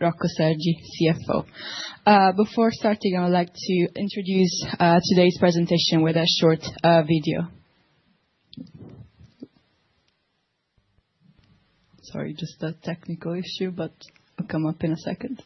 Rocco Sergi, CFO. Before starting, I would like to introduce today's presentation with a short video. Sorry, just a technical issue, but it'll come up in a second.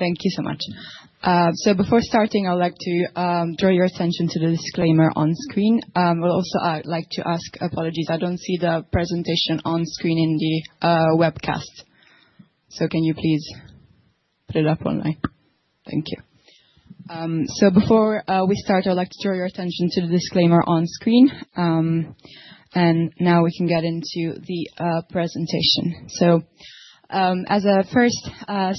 Thank you so much. Before starting, I'd like to draw your attention to the disclaimer on screen. I would like to ask apologies, I don't see the presentation on screen in the webcast. Can you please put it up online? Thank you. Before we start, I'd like to draw your attention to the disclaimer on screen, and now we can get into the presentation. As a first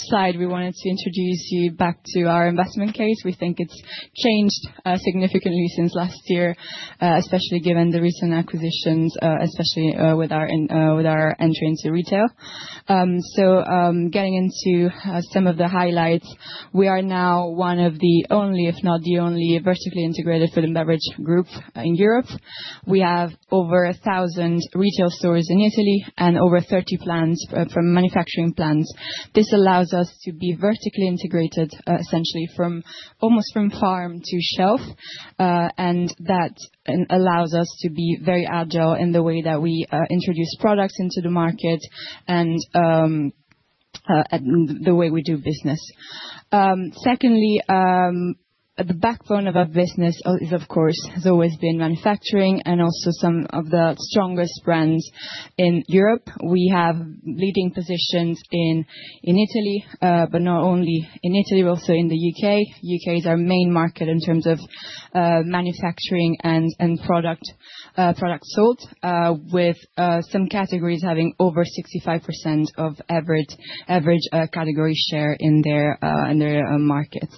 slide, we wanted to introduce you back to our investment case. We think it's changed significantly since last year, especially given the recent acquisitions, especially with our entry into retail. Getting into some of the highlights, we are now one of the only, if not the only vertically integrated food and beverage group in Europe. We have over 1,000 retail stores in Italy and over 30 manufacturing plants. This allows us to be vertically integrated, essentially almost from farm to shelf, that allows us to be very agile in the way that we introduce products into the market and the way we do business. Secondly, the backbone of our business, of course, has always been manufacturing and also some of the strongest brands in Europe. We have leading positions in Italy, but not only in Italy, but also in the U.K. U.K. is our main market in terms of manufacturing and product sold, with some categories having over 65% of average category share in their markets.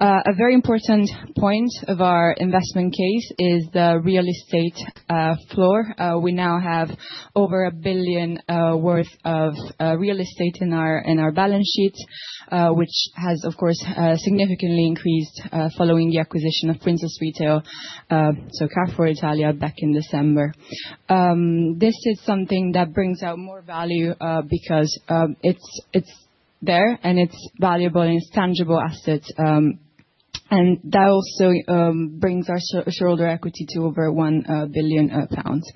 A very important point of our investment case is the real estate floor. We now have over 1 billion worth of real estate in our balance sheet, which has, of course, significantly increased following the acquisition of Princes Retail, so Carrefour Italia back in December. This is something that brings out more value, because it's there and it's valuable and it's tangible assets. That also brings our shareholder equity to over 1 billion pounds.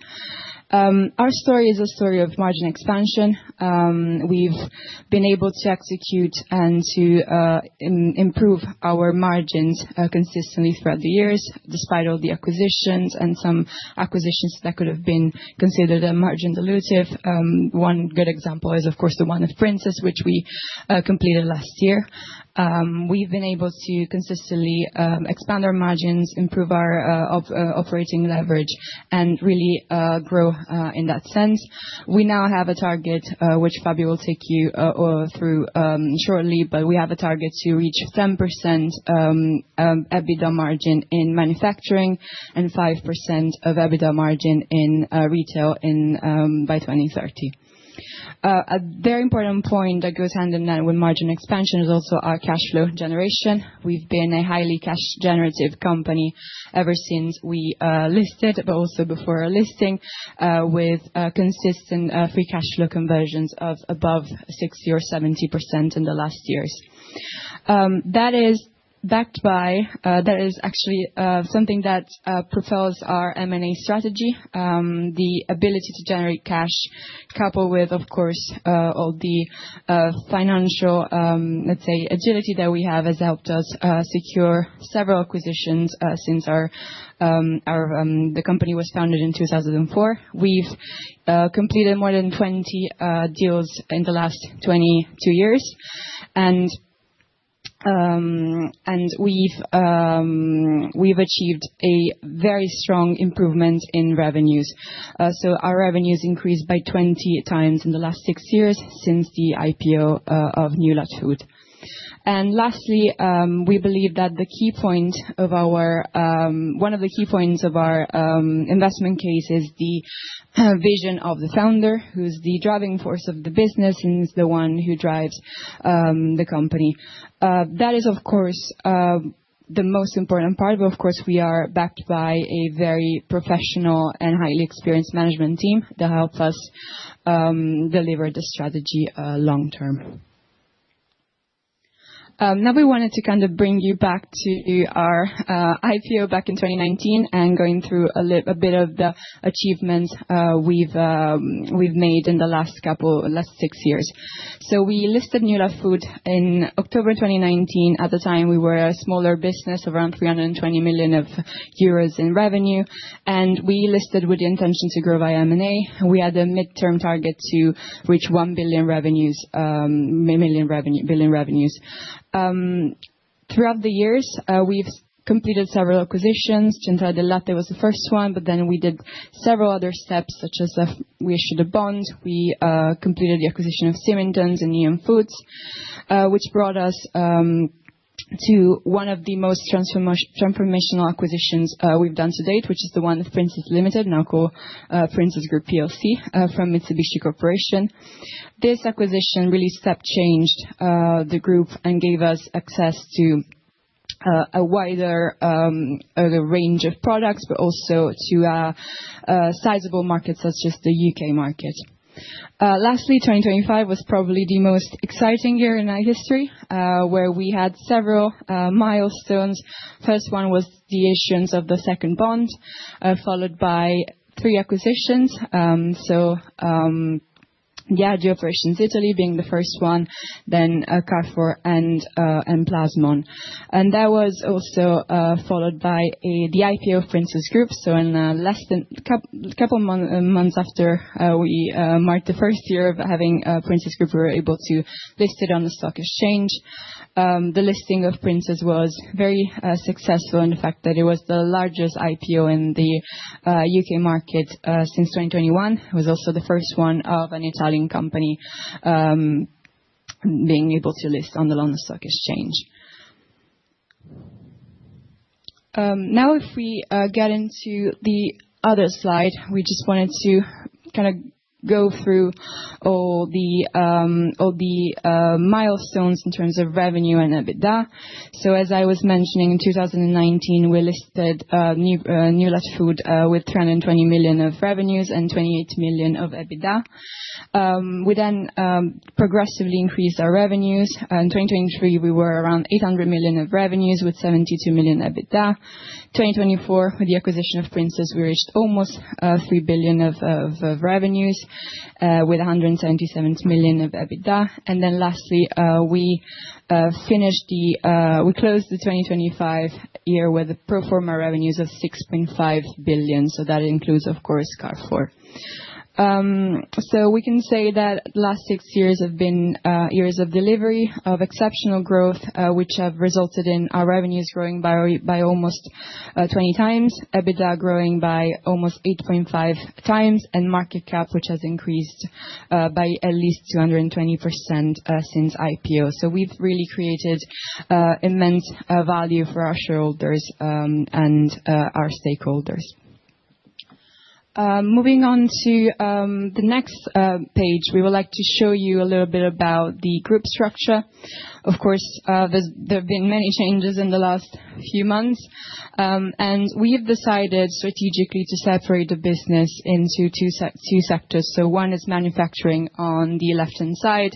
Our story is a story of margin expansion. We've been able to execute and to improve our margins consistently throughout the years, despite all the acquisitions and some acquisitions that could have been considered margin dilutive. One good example is, of course, the one of Princes, which we completed last year. We've been able to consistently expand our margins, improve our operating leverage, and really grow, in that sense. We now have a target, which Fabi will take you all through shortly, but we have a target to reach 7% EBITDA margin in manufacturing and 5% EBITDA margin in retail by 2030. A very important point that goes hand in hand with margin expansion is also our cash flow generation. We've been a highly cash generative company ever since we listed, but also before our listing, with consistent free cash flow conversions of above 60% or 70% in the last years. That is actually something that propels our M&A strategy. The ability to generate cash coupled with, of course, all the financial agility that we have, has helped us secure several acquisitions since the company was founded in 2004. We've completed more than 20 deals in the last 22 years, and we've achieved a very strong improvement in revenues. Our revenues increased by 20x in the last six years since the IPO of Newlat Food. Lastly, we believe that one of the key points of our investment case is the vision of the founder, who's the driving force of the business and is the one who drives the company. That is, of course, the most important part. Of course, we are backed by a very professional and highly experienced management team that help us deliver the strategy long term. Now we wanted to bring you back to our IPO back in 2019 and going through a bit of the achievements we've made in the last six years. We listed Newlat Food in October 2019. At the time, we were a smaller business, around 320 million euros in revenue, and we listed with the intention to grow via M&A. We had a midterm target to reach 1 billion revenues. Throughout the years, we've completed several acquisitions. Centrale del Latte d'Italia was the first one, but then we did several other steps, such as we issued a bond, we completed the acquisition of Symington's and EM Foods, which brought us to one of the most transformational acquisitions we've done to date, which is the one with Princes Limited, now called Princes Group plc, from Mitsubishi Corporation. This acquisition really step-changed the group and gave us access to a wider range of products, but also to sizable markets such as the U.K. market. Lastly, 2025 was probably the most exciting year in our history, where we had several milestones. First one was the issuance of the second bond, followed by three acquisitions. Diageo Operations Italy being the first one, then Carrefour and Plasmon. That was also followed by the IPO of Princes Group. A couple months after we marked the first year of having Princes Group, we were able to list it on the stock exchange. The listing of Princes was very successful in the fact that it was the largest IPO in the U.K. market since 2021. It was also the first one of an Italian company being able to list on the London Stock Exchange. Now if we get into the other slide, we just wanted to go through all the milestones in terms of revenue and EBITDA. As I was mentioning, in 2019, we listed Newlat Food with 320 million of revenues and 28 million of EBITDA. We then progressively increased our revenues. In 2023, we were around 800 million of revenues with 72 million EBITDA. 2024, with the acquisition of Princes, we reached almost 3 billion in revenues, with 177 million in EBITDA. Then lastly, we closed the 2025 year with the pro forma revenues of 6.5 billion. That includes, of course, Carrefour. We can say that the last six years have been years of delivery, of exceptional growth, which have resulted in our revenues growing by almost 20x, EBITDA growing by almost 8.5x, and market cap, which has increased by at least 220% since IPO. We've really created immense value for our shareholders and our stakeholders. Moving on to the next page, we would like to show you a little bit about the group structure. Of course, there have been many changes in the last few months, and we have decided strategically to separate the business into two sectors. One is manufacturing on the left-hand side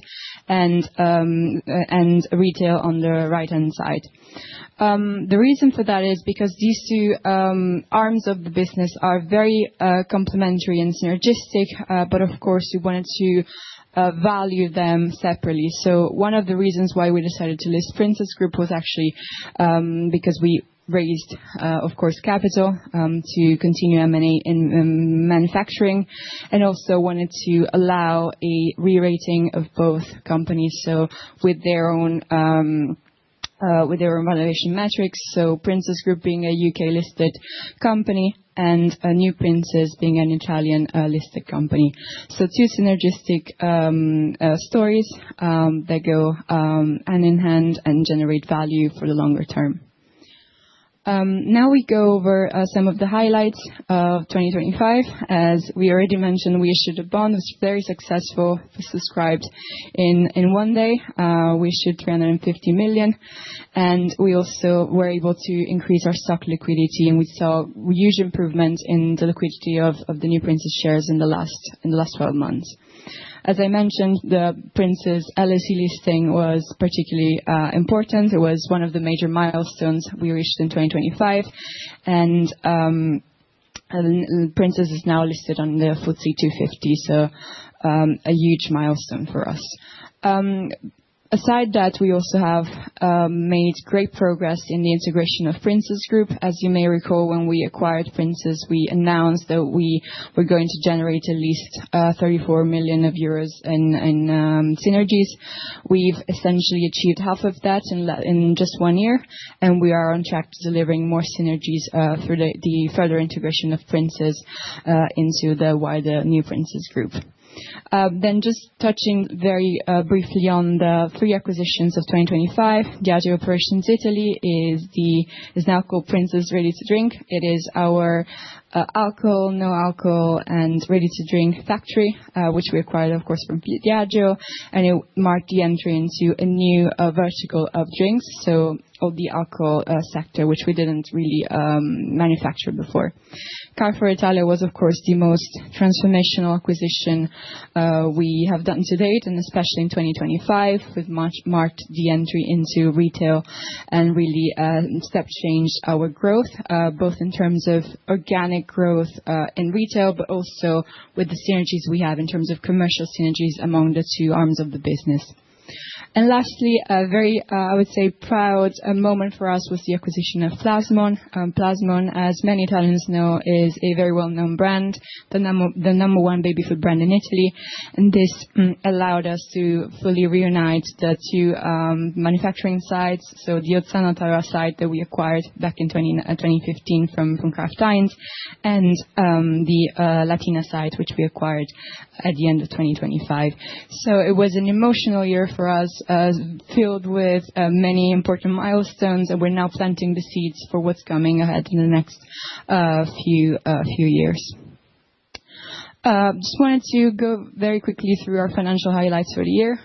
and retail on the right-hand side. The reason for that is because these two arms of the business are very complementary and synergistic, but of course, we wanted to value them separately. One of the reasons why we decided to list Princes Group was actually because we raised, of course, capital to continue M&A in manufacturing, and also wanted to allow a re-rating of both companies, so with their own valuation metrics. Princes Group being a U.K.-listed company and NewPrinces being an Italian listed company. Two synergistic stories that go hand in hand and generate value for the longer term. Now we go over some of the highlights of 2025. As we already mentioned, we issued a bond. It's very successful. It was subscribed in one day. We issued 350 million, and we also were able to increase our stock liquidity, and we saw a huge improvement in the liquidity of the NewPrinces shares in the last 12 months. As I mentioned, the Princes LSE listing was particularly important. It was one of the major milestones we reached in 2025, and Princes is now listed on the FTSE 250, so a huge milestone for us. Aside from that, we also have made great progress in the integration of Princes Group. As you may recall, when we acquired Princes, we announced that we were going to generate at least 34 million euros in synergies. We've essentially achieved half of that in just one year, and we are on track to delivering more synergies through the further integration of Princes into the wider NewPrinces Group. Just touching very briefly on the three acquisitions of 2025, Diageo Operations Italy is now called Princes Ready to Drink. It is our alcohol, no-alcohol, and ready-to-drink factory, which we acquired, of course, from Diageo, and it marked the entry into a new vertical of drinks, so of the alcohol sector, which we didn't really manufacture before. Carrefour Italia was, of course, the most transformational acquisition we have done to date, and especially in 2025. We've marked the entry into retail and really step-changed our growth, both in terms of organic growth in retail, but also with the synergies we have in terms of commercial synergies among the two arms of the business. Lastly, a very, I would say, proud moment for us was the acquisition of Plasmon. Plasmon, as many Italians know, is a very well-known brand, the number one baby food brand in Italy. This allowed us to fully reunite the two manufacturing sites. The Ozzano Taro site that we acquired back in 2015 from Kraft Heinz, and the Latina site, which we acquired at the end of 2025. It was an emotional year for us, filled with many important milestones, and we're now planting the seeds for what's coming ahead in the next few years. Just wanted to go very quickly through our financial highlights for the year.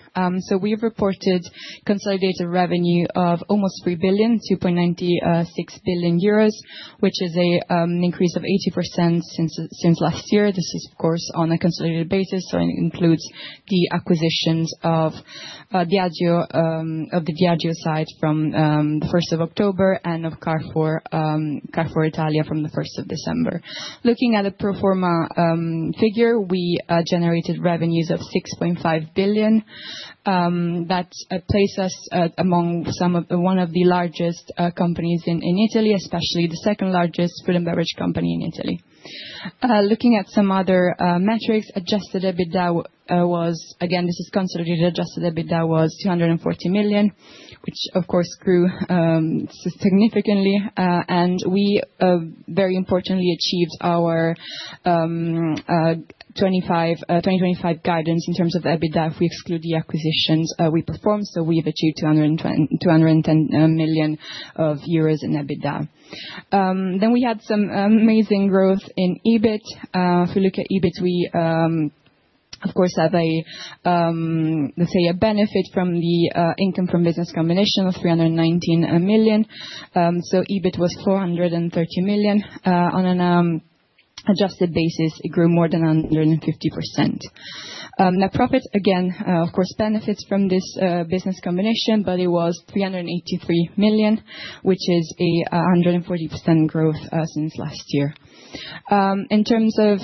We have reported consolidated revenue of almost 3 billion, 2.96 billion euros, which is an increase of 80% since last year. This is, of course, on a consolidated basis, so it includes the acquisitions of the Diageo site from the October 1st and of Carrefour Italia from the December 1st. Looking at a pro forma figure, we generated revenues of 6.5 billion. That places us among one of the largest companies in Italy, especially the second-largest food and beverage company in Italy. Looking at some other metrics, adjusted EBITDA was, again, this is consolidated, adjusted EBITDA was 240 million, which of course grew significantly. We very importantly achieved our 2025 guidance in terms of the EBITDA. If we exclude the acquisitions we performed, so we have achieved 210 million euros in EBITDA. We had some amazing growth in EBIT. If you look at EBIT, we of course have, let's say, a benefit from the income from business combination of 319 million. EBIT was 430 million. On an adjusted basis, it grew more than 150%. Net profit, again, of course benefits from this business combination, but it was 383 million, which is 140% growth since last year. In terms of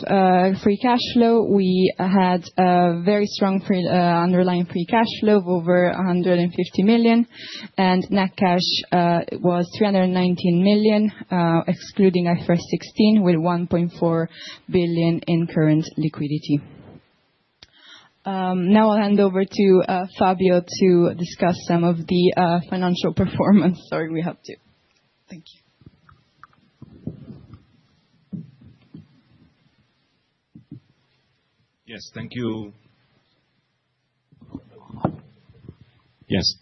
free cash flow, we had a very strong underlying free cash flow of over 150 million, and net cash was 319 million, excluding IFRS 16, with 1.4 billion in current liquidity. Now I'll hand over to Fabio to discuss some of the financial performance. Thank you.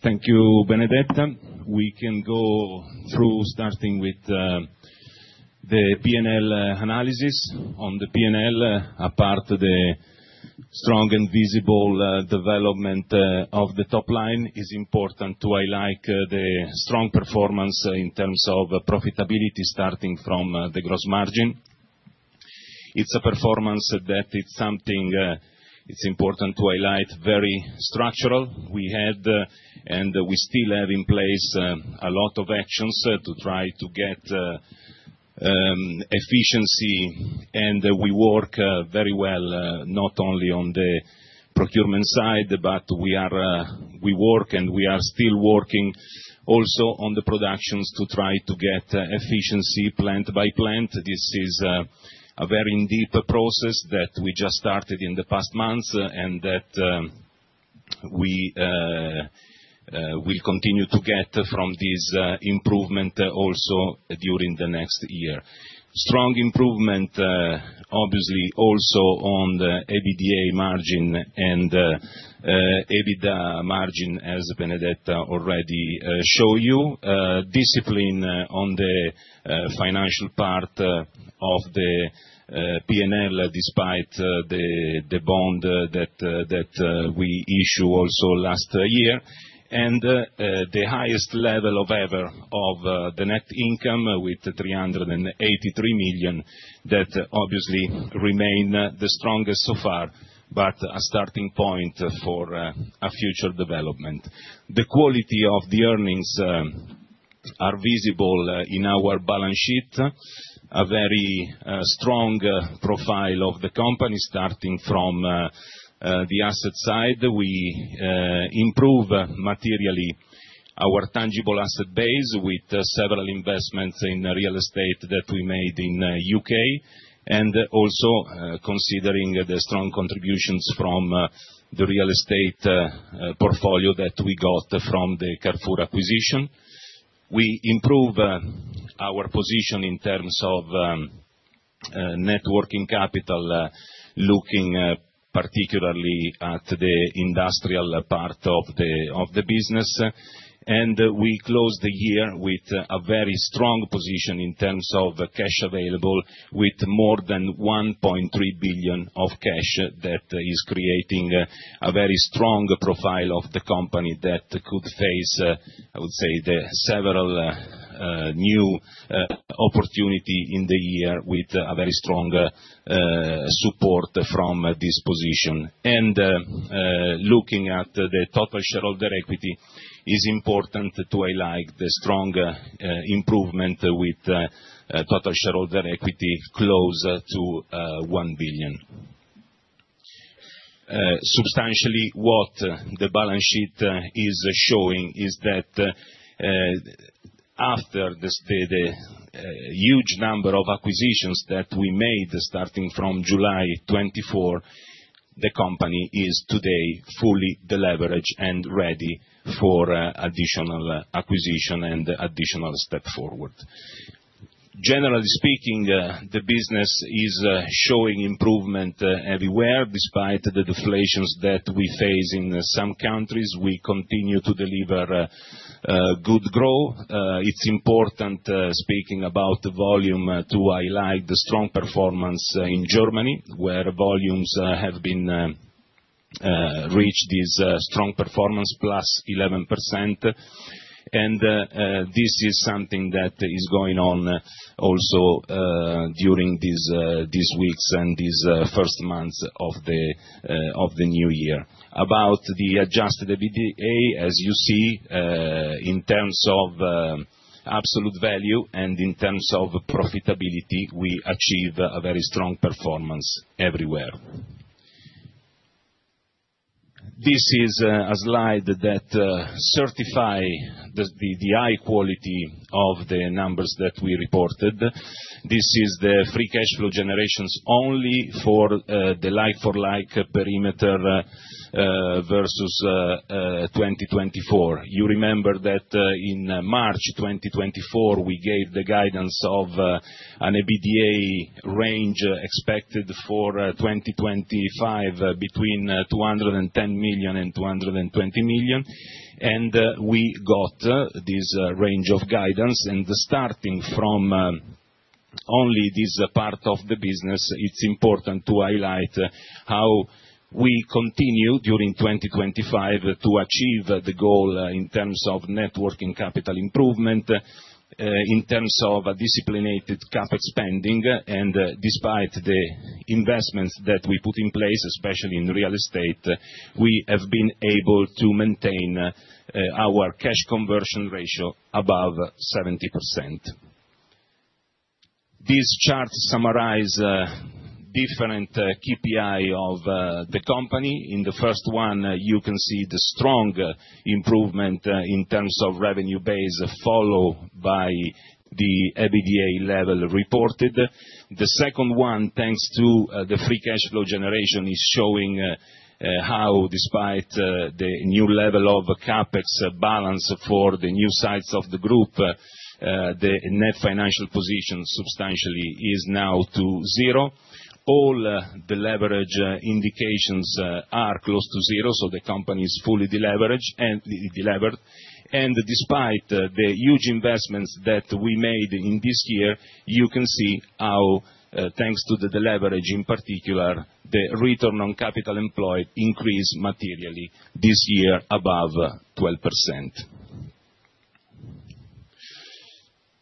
Thank you, Benedetta. We can go through starting with the P&L analysis. On the P&L, apart from the strong and visible development of the top line, it is important to highlight the strong performance in terms of profitability, starting from the gross margin. It's a performance that it's important to highlight, very structural. We had, and we still have in place, a lot of actions to try to get efficiency, and we work very well, not only on the procurement side, but we are still working also on the productions to try to get efficiency plant by plant. This is a very deep process that we just started in the past months and that we'll continue to get from this improvement also during the next year. Strong improvement, obviously also on the EBITDA margin, as Benedetta already show you. Discipline on the financial part of the P&L, despite the bond that we issue also last year. The highest level of ever of the net income with 383 million, that obviously remain the strongest so far, but a starting point for a future development. The quality of the earnings are visible in our balance sheet. A very strong profile of the company, starting from the asset side. We improve materially our tangible asset base with several investments in real estate that we made in U.K., and also considering the strong contributions from the real estate portfolio that we got from the Carrefour acquisition. We improve our position in terms of net working capital, looking particularly at the industrial part of the business. We closed the year with a very strong position in terms of cash available, with more than 1.3 billion of cash that is creating a very strong profile of the company that could face, I would say, the several new opportunity in the year with a very strong support from this position. Looking at the total shareholder equity is important to highlight the strong improvement with total shareholder equity close to 1 billion. Substantially, what the balance sheet is showing is that after the huge number of acquisitions that we made, starting from July 2024, the company is today fully deleveraged and ready for additional acquisition and additional step forward. Generally speaking, the business is showing improvement everywhere. Despite the deflations that we face in some countries, we continue to deliver good growth. It's important, speaking about the volume, to highlight the strong performance in Germany, where volumes have reached this strong performance, +11%. This is something that is going on also during these weeks and these first months of the new year. About the adjusted EBITDA, as you see, in terms of absolute value and in terms of profitability, we achieved a very strong performance everywhere. This is a slide that certifies the high quality of the numbers that we reported. This is the free cash flow generations only for the like-for-like perimeter versus 2024. You remember that in March 2024, we gave the guidance of an EBITDA range expected for 2025 between 210 million and 220 million. We got this range of guidance. Starting from only this part of the business, it's important to highlight how we continue, during 2025, to achieve the goal in terms of net working capital improvement, in terms of a disciplined CapEx spending. Despite the investments that we put in place, especially in real estate, we have been able to maintain our cash conversion ratio above 70%. These charts summarize different KPIs of the company. In the first one, you can see the strong improvement in terms of revenue base, followed by the EBITDA level reported. The second one, thanks to the free cash flow generation, is showing how, despite the new level of CapEx balance for the new sites of the group, the net financial position substantially is now at zero. All the leverage indications are close to zero, so the company is fully delevered. Despite the huge investments that we made in this year, you can see how, thanks to the leverage in particular, the Return on Capital Employed increased materially this year above 12%.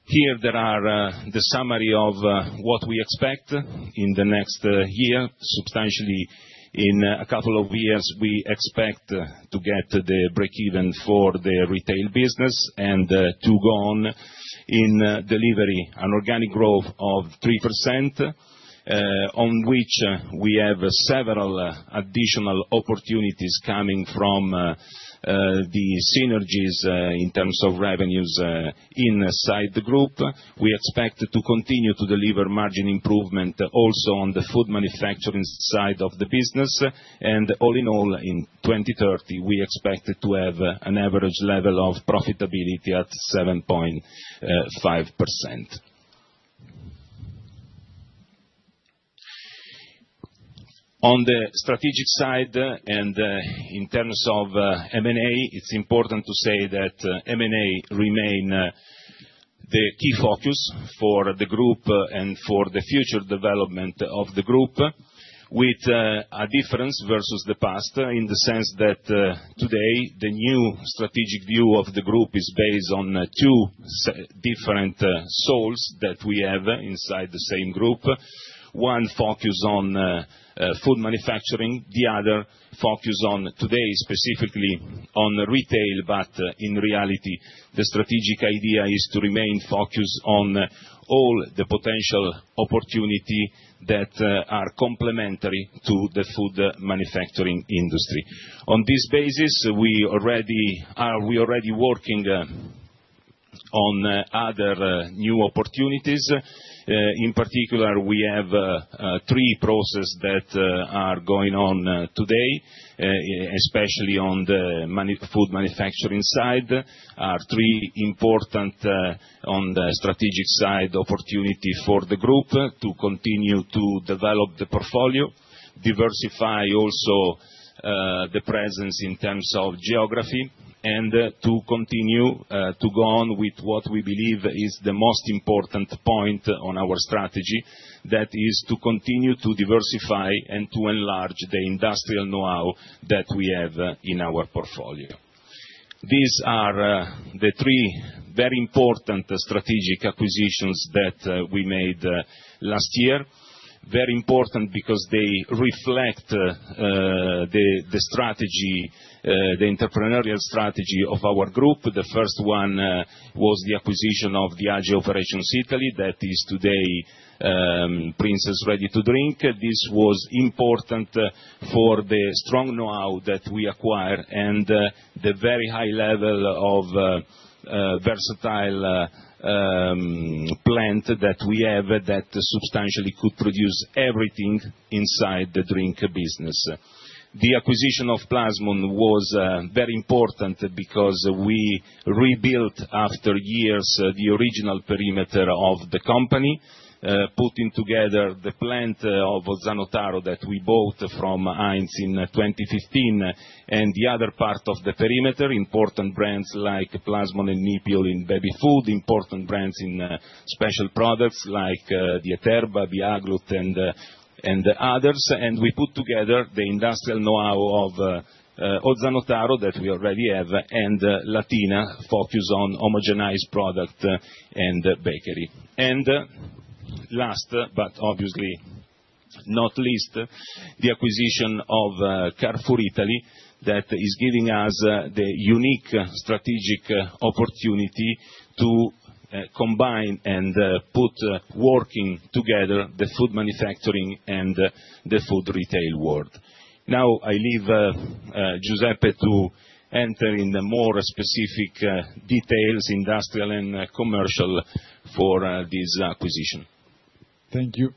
Here, there are the summary of what we expect in the next year. Substantially, in a couple of years, we expect to get the break-even for the retail business and to go on in delivering an organic growth of 3%, on which we have several additional opportunities coming from the synergies in terms of revenues inside the group. We expect to continue to deliver margin improvement also on the food manufacturing side of the business. All in all, in 2030, we expect to have an average level of profitability at 7.5%. On the strategic side and in terms of M&A, it's important to say that M&A remains the key focus for the group and for the future development of the group with a difference versus the past, in the sense that today, the new strategic view of the group is based on two different souls that we have inside the same group. One focus on food manufacturing, the other focus on today, specifically on retail, but in reality, the strategic idea is to remain focused on all the potential opportunities that are complementary to the food manufacturing industry. On this basis, we are already working on other new opportunities. In particular, we have three processes that are going on today, especially on the food manufacturing side. are three important, on the strategic side, opportunities for the group to continue to develop the portfolio, diversify also the presence in terms of geography, and to continue to go on with what we believe is the most important point on our strategy, that is to continue to diversify and to enlarge the industrial know-how that we have in our portfolio. These are the three very important strategic acquisitions that we made last year. Very important because they reflect the entrepreneurial strategy of our group. The first one was the acquisition of Diageo Operations Italy, that is today Princes Ready to Drink. This was important for the strong know-how that we acquired and the very high level of versatile plant that we have that substantially could produce everything inside the drink business. The acquisition of Plasmon was very important because we rebuilt, after years, the original perimeter of the company, putting together the plant of Ozzano Taro, that we bought from Heinz in 2015, and the other part of the perimeter, important brands like Plasmon and Nipiol in baby food, important brands in special products like the Dieterba, the BiAglut, and others. We put together the industrial know-how of Ozzano Taro, that we already have, and Latina focus on homogenized product and bakery. Last, but obviously not least, the acquisition of Carrefour Italy, that is giving us the unique strategic opportunity to combine and put working together the food manufacturing and the food retail world. Now, I leave Giuseppe to enter in the more specific details, industrial and commercial, for this acquisition. Thank you.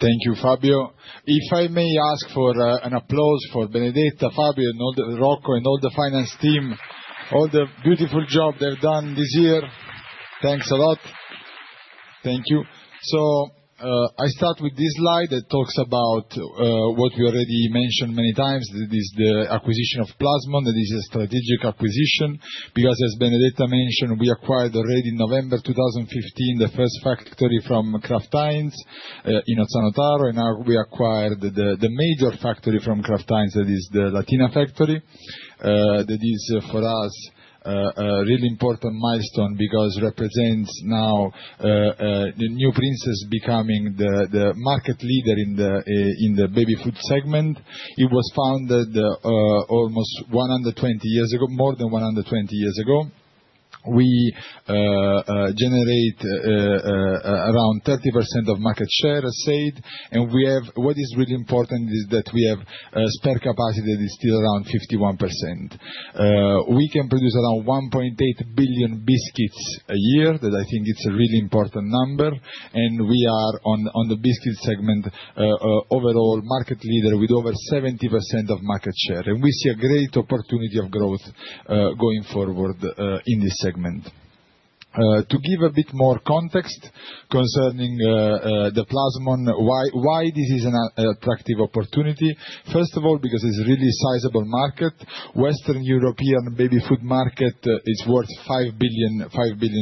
Thank you, Fabio. If I may ask for an applause for Benedetta, Fabio, and Rocco, and all the finance team, all the beautiful job they've done this year. Thanks a lot. Thank you. I start with this slide that talks about what we already mentioned many times. That is the acquisition of Plasmon. That is a strategic acquisition, because, as Benedetta mentioned, we acquired already November 2015, the first factory from Kraft Heinz in Ozzano Taro, and now we acquired the major factory from Kraft Heinz, that is the Latina factory. That is, for us, a really important milestone because it represents now the NewPrinces becoming the market leader in the baby food segment. It was founded more than 120 years ago. We generate around 30% of market share, as said, and what is really important is that we have spare capacity that is still around 51%. We can produce around 1.8 billion biscuits a year, that I think it's a really important number, and we are, on the biscuit segment, overall market leader with over 70% of market share. We see a great opportunity of growth going forward in this segment. To give a bit more context concerning the Plasmon, why this is an attractive opportunity. First of all, because it's a really sizable market. Western European baby food market is worth 5 billion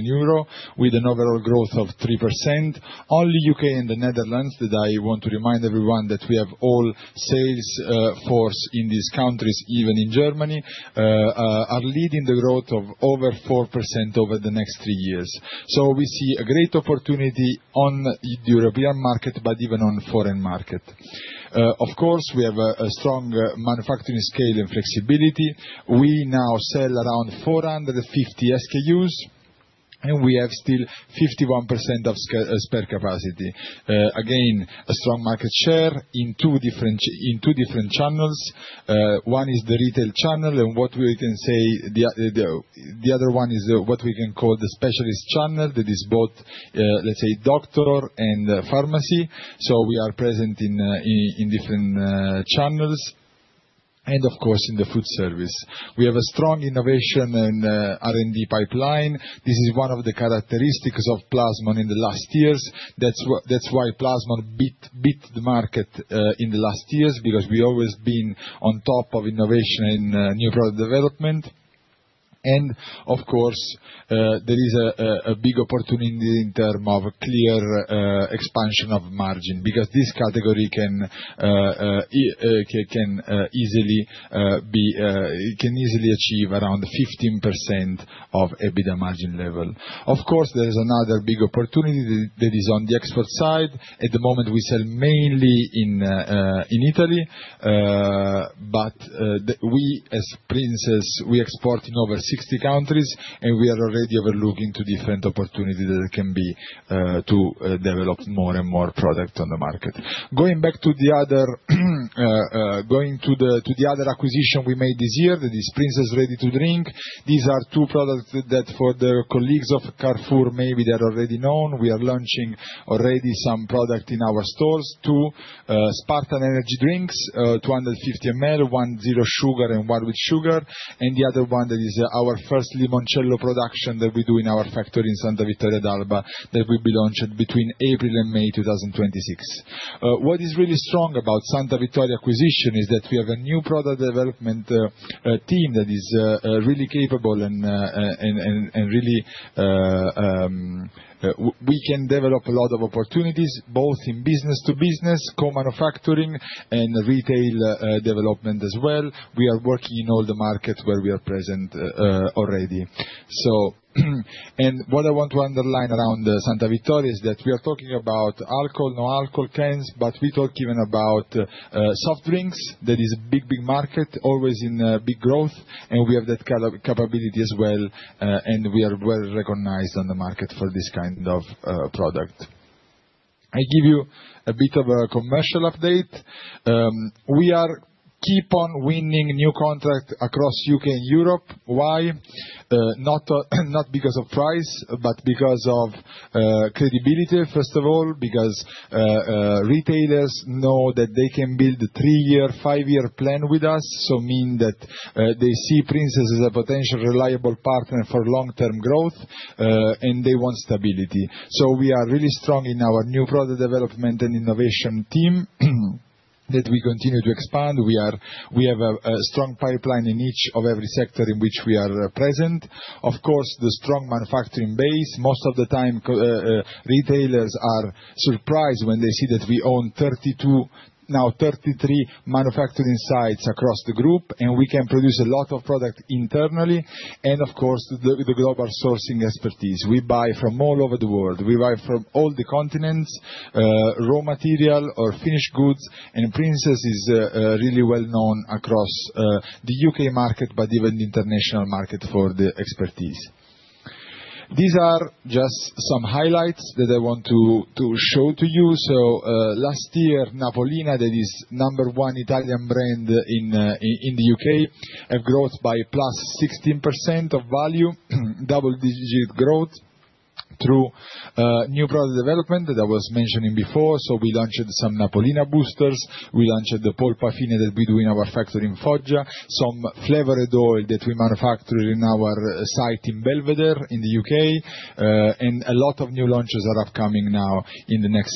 euro, with an overall growth of 3%. Only U.K. and the Netherlands, that I want to remind everyone that we have all sales force in these countries, even in Germany, are leading the growth of over 4% over the next three years. We see a great opportunity on European market, but even on foreign market. Of course, we have a strong manufacturing scale and flexibility. We now sell around 450 SKUs, and we have still 51% of spare capacity. Again, a strong market share in two different channels. One is the retail channel, and the other one is what we can call the specialist channel. That is both, let's say, doctor and pharmacy. We are present in different channels, and of course, in the food service. We have a strong innovation and R&D pipeline. This is one of the characteristics of Plasmon in the last years. That's why Plasmon beat the market in the last years, because we always been on top of innovation and new product development. Of course, there is a big opportunity in term of clear expansion of margin, because this category can easily achieve around 15% of EBITDA margin level. Of course, there is another big opportunity that is on the export side. At the moment, we sell mainly in Italy. We, as Princes, we export in over 60 countries, and we are already looking to different opportunities that can be to develop more and more product on the market. Going back to the other acquisition we made this year, that is Princes Ready to Drink. These are two products that for the colleagues of Carrefour, maybe they're already known. We are launching already some product in our stores, too. Spartan energy drinks, 250 ml, one zero sugar and one with sugar. The other one that is our first Limoncello production that we do in our factory in Santa Vittoria d'Alba, that will be launched between April and May 2026. What is really strong about Santa Vittoria acquisition is that we have a new product development team that is really capable and we can develop a lot of opportunities, both in business to business, co-manufacturing, and retail development as well. We are working in all the markets where we are present already. What I want to underline around Santa Vittoria is that we are talking about alcohol, no alcohol cans, but we talk even about soft drinks. That is a big market, always in big growth, and we have that capability as well, and we are well recognized on the market for this kind of product. I give you a bit of a commercial update. We keep on winning new contract across U.K. and Europe. Why? Not because of price, but because of credibility, first of all, because retailers know that they can build a three-year, five-year plan with us. Meaning that they see Princes as a potential reliable partner for long-term growth, and they want stability. We are really strong in our new product development and innovation team that we continue to expand. We have a strong pipeline in each and every sector in which we are present. Of course, the strong manufacturing base. Most of the time, retailers are surprised when they see that we own 32, now 33 manufacturing sites across the group, and we can produce a lot of product internally. Of course, the global sourcing expertise. We buy from all over the world. We buy from all the continents, raw material or finished goods, and Princes is really well-known across the U.K. market, but even the international market for the expertise. These are just some highlights that I want to show to you. Last year, Napolina, that is number one Italian brand in the UK, have growth by plus 16% of value, double-digit growth through new product development that I was mentioning before. We launched some Napolina boosters. We launched the Polpa Fine that we do in our factory in Foggia, some flavored oil that we manufacture in our site in Belvedere in the UK, and a lot of new launches are upcoming now in the next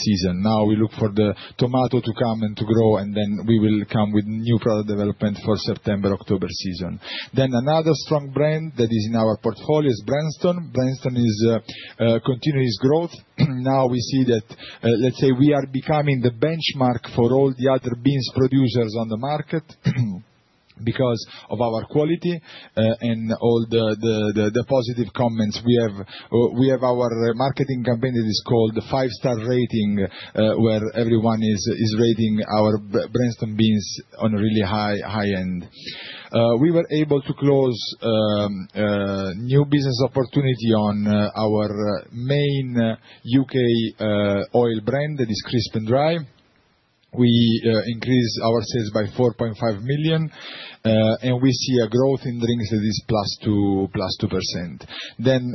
season. Now we look for the tomato to come and to grow, and then we will come with new product development for September, October season. Another strong brand that is in our portfolio is Branston. Branston is continuing its growth. Now we see that, let's say we are becoming the benchmark for all the other beans producers on the market because of our quality, and all the positive comments. We have our marketing campaign that is called the five-star rating, where everyone is rating our Branston beans on a really high end. We were able to close new business opportunity on our main UK oil brand that is Crisp 'n Dry. We increased our sales by 4.5 million, and we see a growth in drinks that is +2%.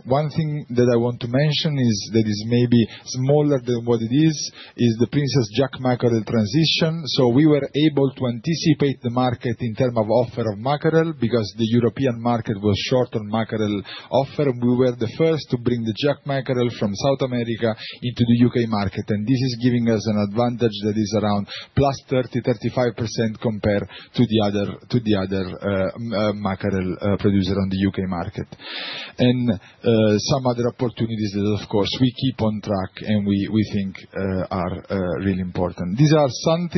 One thing that I want to mention that is maybe smaller than what it is the Princes Jack Mackerel transition. We were able to anticipate the market in terms of offer of mackerel because the European market was short on mackerel offer. We were the first to bring the jack mackerel from South America into the U.K. market, and this is giving us an advantage that is around +30% to 35% compared to the other mackerel producer on the UK market. Some other opportunities that, of course, we keep on track, and we think are really important. These are some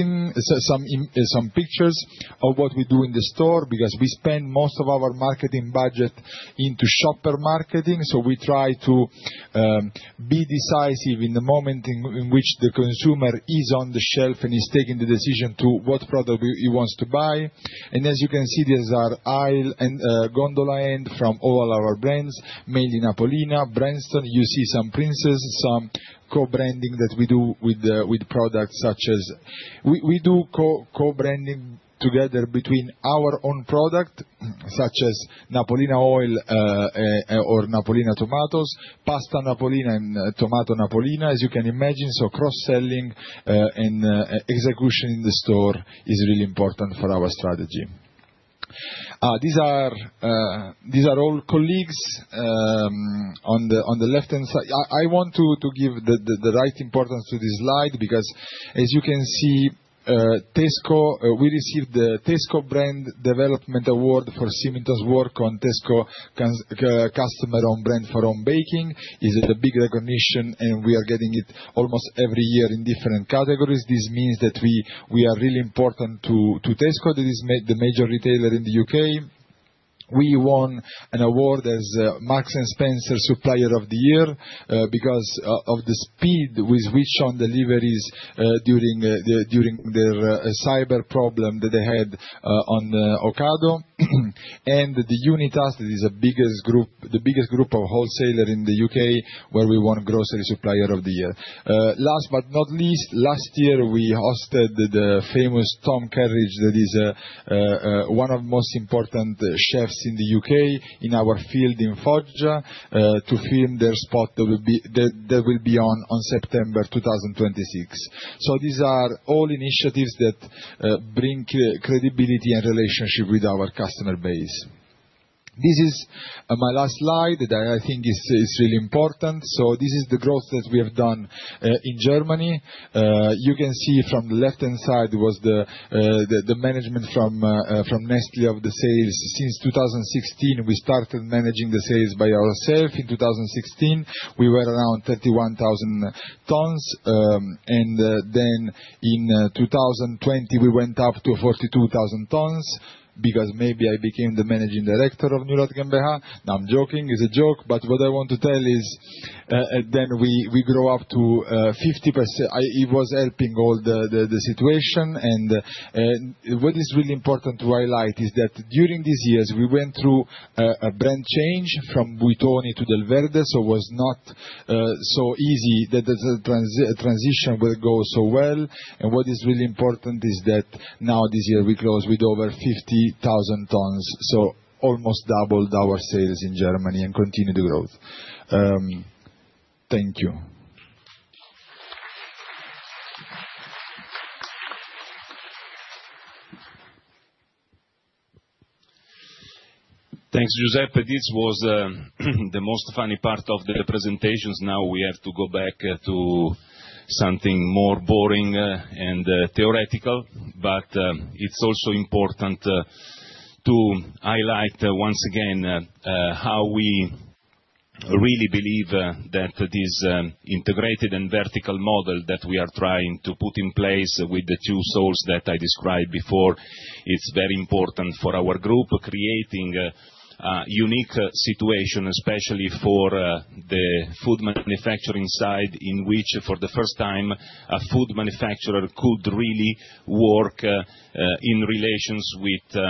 pictures of what we do in the store because we spend most of our marketing budget into shopper marketing, so we try to be decisive in the moment in which the consumer is on the shelf and is taking the decision to what product he wants to buy. As you can see, these are aisle and gondola end from all our brands, mainly Napolina, Branston, you see some Princes, some co-branding that we do with products such as. We do co-branding together between our own product, such as Napolina oil, or Napolina tomatoes, Pasta Napolina, and Tomato Napolina, as you can imagine, so cross-selling, and execution in the store is really important for our strategy. These are all colleagues on the left-hand side. I want to give the right importance to this slide because as you can see, Tesco, we received the Tesco Brand Development Award for Symington's work on Tesco customer own brand for own baking. It is a big recognition, and we are getting it almost every year in different categories. This means that we are really important to Tesco. That is the major retailer in the U.K. We won an award as Marks & Spencer Supplier of the Year, because of the speed with which on deliveries, during their cyber problem that they had on Ocado. The Unitas is the biggest group of wholesaler in the U.K., where we won Grocery Supplier of the Year. Last but not least, last year we hosted the famous Tom Kerridge, that is one of the most important chefs in the U.K., in our field in Foggia, to film their spot that will be on September 2026. These are all initiatives that bring credibility and relationship with our customer base. This is my last slide that I think is really important. This is the growth that we have done in Germany. You can see from the left-hand side was the management from Nestlé of the sales. Since 2016, we started managing the sales by ourselves. In 2016, we were around 31,000 tons. In 2020, we went up to 42,000 tons because maybe I became the managing director of Newlat GmbH. No, I'm joking. It's a joke. What I want to tell is, then we grow up to 50%. It was helping all the situation. What is really important to highlight is that during these years, we went through a brand change from Buitoni to Delverde, so was not so easy that the transition will go so well. What is really important is that now this year, we close with over 50,000 tons, so almost doubled our sales in Germany and continue the growth. Thank you. Thanks, Giuseppe. This was the most funny part of the presentations. Now we have to go back to something more boring and theoretical, but it's also important to highlight, once again, how we really believe that this integrated and vertical model that we are trying to put in place with the two souls that I described before, is very important for our group, creating a unique situation, especially for the food manufacturing side, in which, for the first time, a food manufacturer could really work in relations with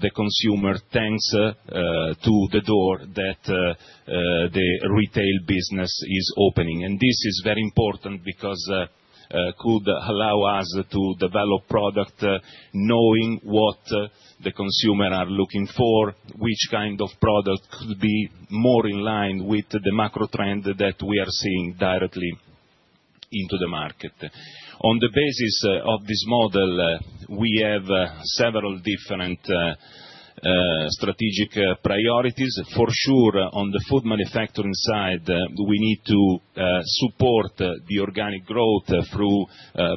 the consumer, thanks to the door that the retail business is opening. This is very important because it could allow us to develop product knowing what the consumer are looking for, which kind of product could be more in line with the macro trend that we are seeing directly into the market. On the basis of this model, we have several different strategic priorities. For sure, on the food manufacturing side, we need to support the organic growth through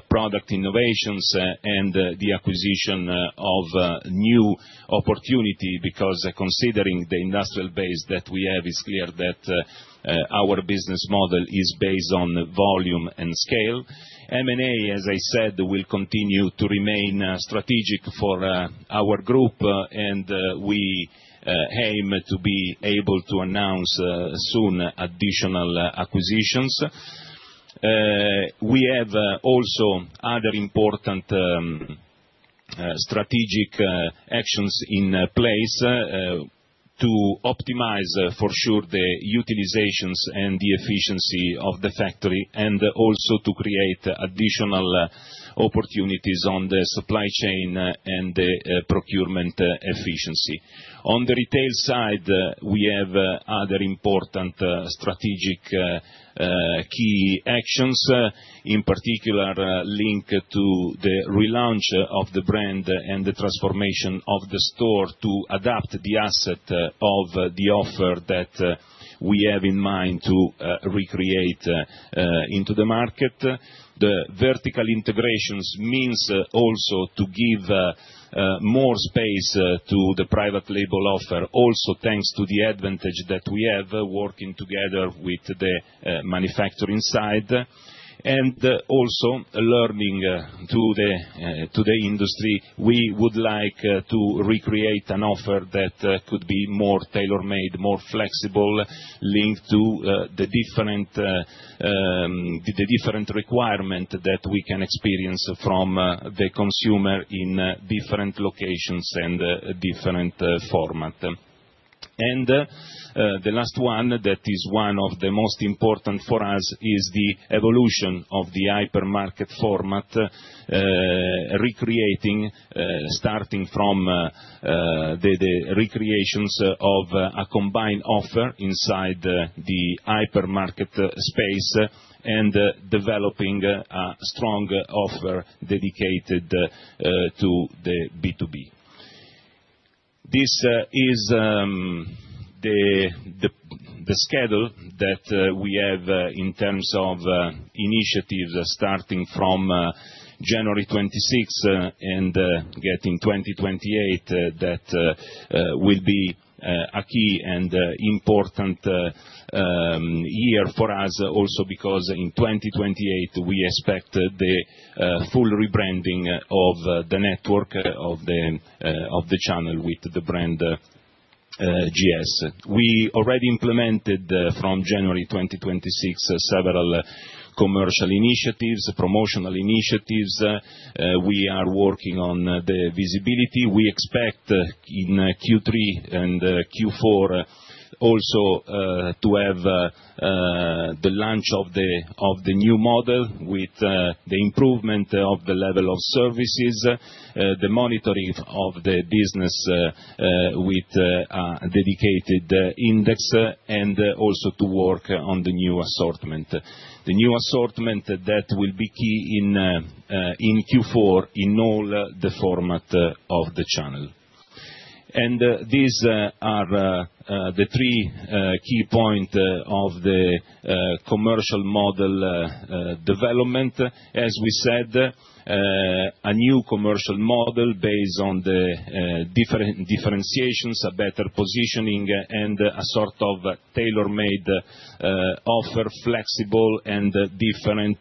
product innovations and the acquisition of new opportunity, because considering the industrial base that we have, it's clear that our business model is based on volume and scale. M&A, as I said, will continue to remain strategic for our group, and we aim to be able to announce soon additional acquisitions. We have also other important strategic actions in place to optimize, for sure, the utilizations and the efficiency of the factory, and also to create additional opportunities on the supply chain and the procurement efficiency. On the retail side, we have other important strategic key actions, in particular linked to the relaunch of the brand and the transformation of the store to adapt the asset of the offer that we have in mind to recreate into the market. The vertical integrations means also to give more space to the private label offer, also thanks to the advantage that we have working together with the manufacturing side. Also learning from the industry, we would like to recreate an offer that could be more tailor-made, more flexible, linked to the different requirement that we can experience from the consumer in different locations and different format. The last one, that is one of the most important for us, is the evolution of the hypermarket format, starting from the recreations of a combined offer inside the hypermarket space and developing a strong offer dedicated to the B2B. This is the schedule that we have in terms of initiatives, starting from January 26 and getting to 2028, that will be a key and important year for us also because in 2028, we expect the full rebranding of the network of the channel with the brand GS. We already implemented, from January 2026, several commercial initiatives, promotional initiatives. We are working on the visibility. We expect in Q3 and Q4 also to have the launch of the new model with the improvement of the level of services, the monitoring of the business with a dedicated index, and also to work on the new assortment. The new assortment that will be key in Q4 in all the format of the channel. These are the three key point of the commercial model development. As we said, a new commercial model based on the differentiations, a better positioning, and a sort of tailor-made offer, flexible and different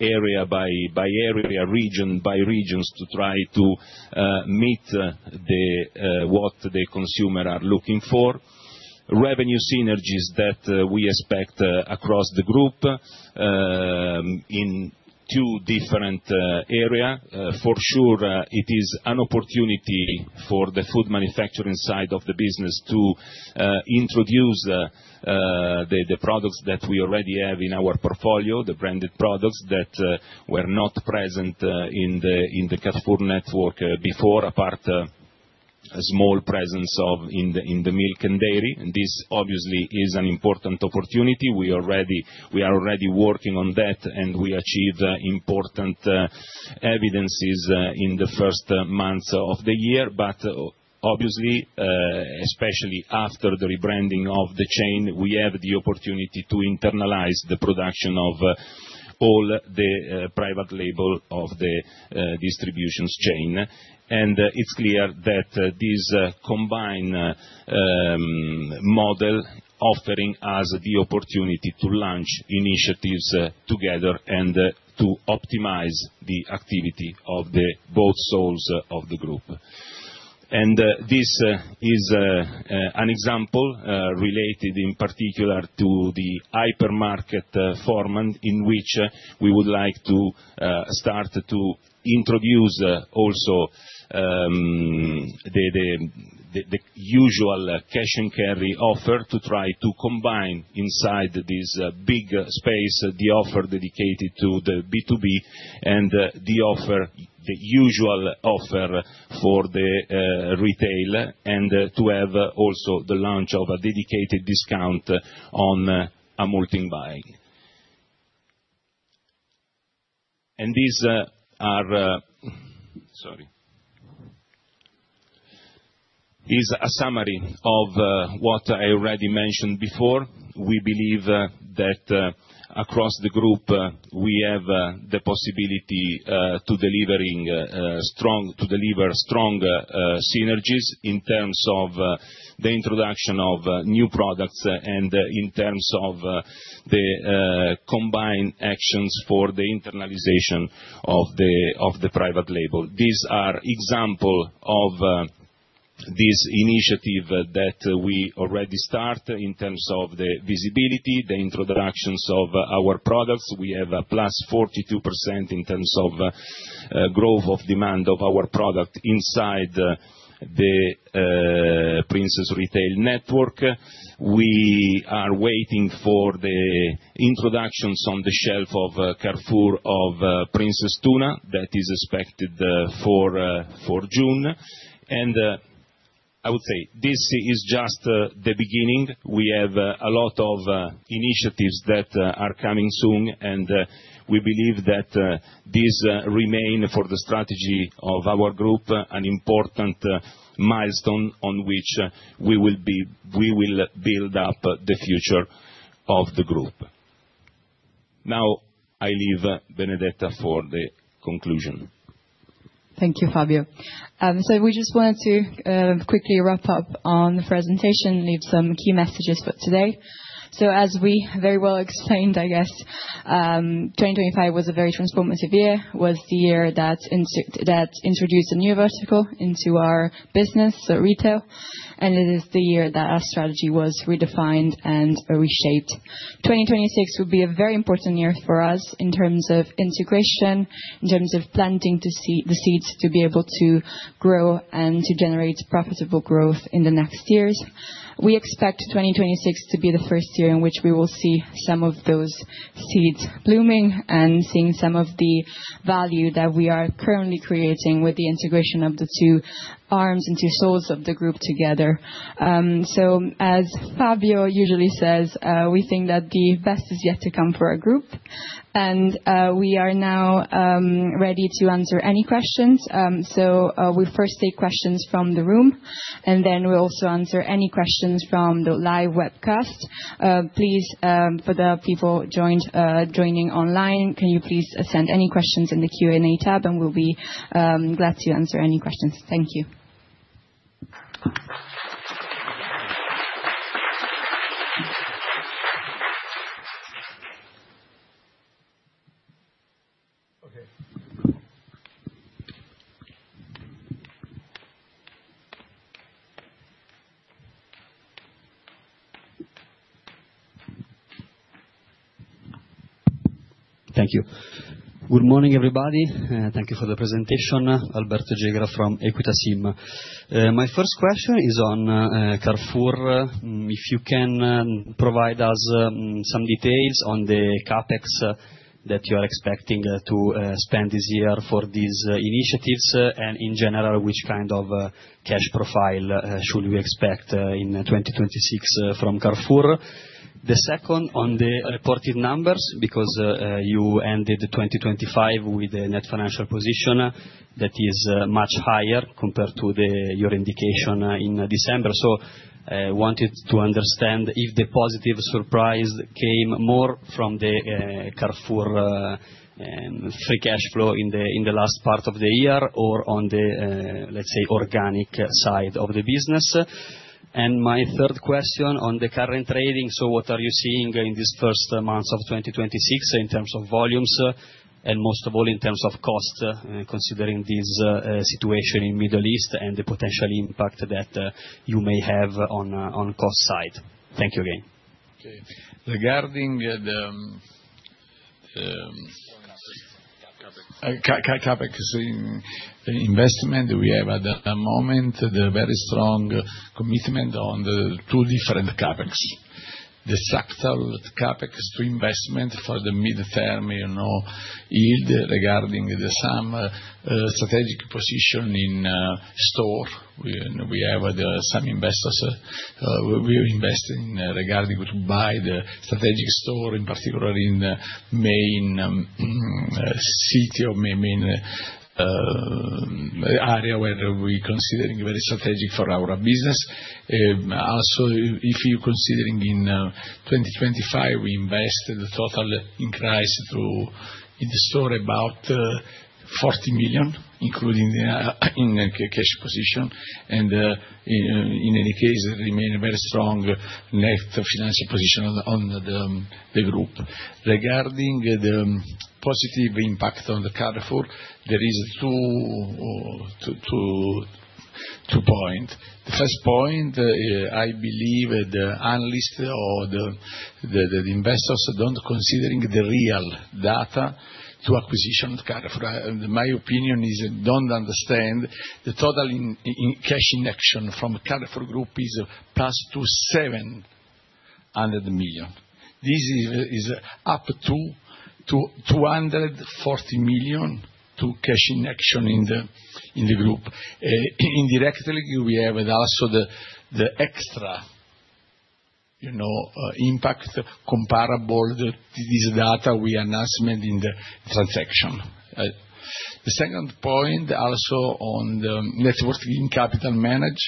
area by area, region by region, to try to meet what the consumers are looking for. Revenue synergies that we expect across the group in two different areas. For sure, it is an opportunity for the food manufacturing side of the business to introduce the products that we already have in our portfolio, the branded products that were not present in the Carrefour network before, apart from a small presence in the milk and dairy. This obviously is an important opportunity. We are already working on that, and we achieved important evidence in the first months of the year. Obviously, especially after the rebranding of the chain, we have the opportunity to internalize the production of all the private label of the distribution chain. It's clear that this combined model offering us the opportunity to launch initiatives together and to optimize the activity of both souls of the group. This is an example related in particular to the hypermarket format, in which we would like to start to introduce also the usual cash and carry offer to try to combine inside this big space, the offer dedicated to the B2B and the usual offer for the retail, and to have also the launch of a dedicated discount on a multi-buy. These are a summary of what I already mentioned before. We believe that across the group, we have the possibility to deliver strong synergies in terms of the introduction of new products and in terms of the combined actions for the internalization of the private label. These are examples of this initiative that we already start in terms of the visibility, the introductions of our products. We have a +42% in terms of growth of demand of our product inside the Princes Retail network. We are waiting for the introductions on the shelf of Carrefour of Princes Tuna that is expected for June. I would say this is just the beginning. We have a lot of initiatives that are coming soon, and we believe that this remain, for the strategy of our group, an important milestone on which we will build up the future of the group. Now, I leave Benedetta for the conclusion. Thank you, Fabio. We just wanted to quickly wrap up on the presentation, leave some key messages for today. As we very well explained, I guess, 2025 was a very transformative year that introduced a new vertical into our business, so retail. It is the year that our strategy was redefined and reshaped. 2026 will be a very important year for us in terms of integration, in terms of planting the seeds to be able to grow and to generate profitable growth in the next years. We expect 2026 to be the first year in which we will see some of those seeds blooming, and seeing some of the value that we are currently creating with the integration of the two arms and two souls of the group together. As Fabio usually says, we think that the best is yet to come for our group. We are now ready to answer any questions. We first take questions from the room, and then we'll also answer any questions from the live webcast. Please, for the people joining online, can you please send any questions in the Q&A tab, and we'll be glad to answer any questions. Thank you. Okay. Thank you. Good morning, everybody. Thank you for the presentation. Alberto Jegga from Equita SIM. My first question is on Carrefour. If you can provide us some details on the CapEx that you are expecting to spend this year for these initiatives, and in general, which kind of cash profile should we expect in 2026 from Carrefour? The second on the reported numbers, because you ended 2025 with a net financial position that is much higher compared to your indication in December. I wanted to understand if the positive surprise came more from the Carrefour free cash flow in the last part of the year or on the, let's say, organic side of the business. My third question on the current trading, what are you seeing in these first months of 2026 in terms of volumes and most of all, in terms of cost, considering this situation in the Middle East and the potential impact that you may have on the cost side? Thank you again. Okay. Regarding the CapEx investment, we have at the moment the very strong commitment on the two different CapEx. The structural CapEx investment for the mid-term yield regarding some strategic positions in stores. We have some investments we invest in regarding to buy the strategic stores, in particular in main cities or main areas where we considering very strategic for our business. Also, if you considering in 2025, we invested total increase through in the stores about 40 million, including in cash position, and in any case, remain very strong net financial position on the group. Regarding the positive impact on the Carrefour, there are two points. The first point, I believe the analysts or the investors don't considering the real data to acquisition Carrefour. My opinion is don't understand the total in cash action from Carrefour Group is passed to 700 million. This is up to 240 million to cash in action in the group. Indirectly, we have also the extra impact comparable to this data we announced in the transaction. The second point also on the net working capital management,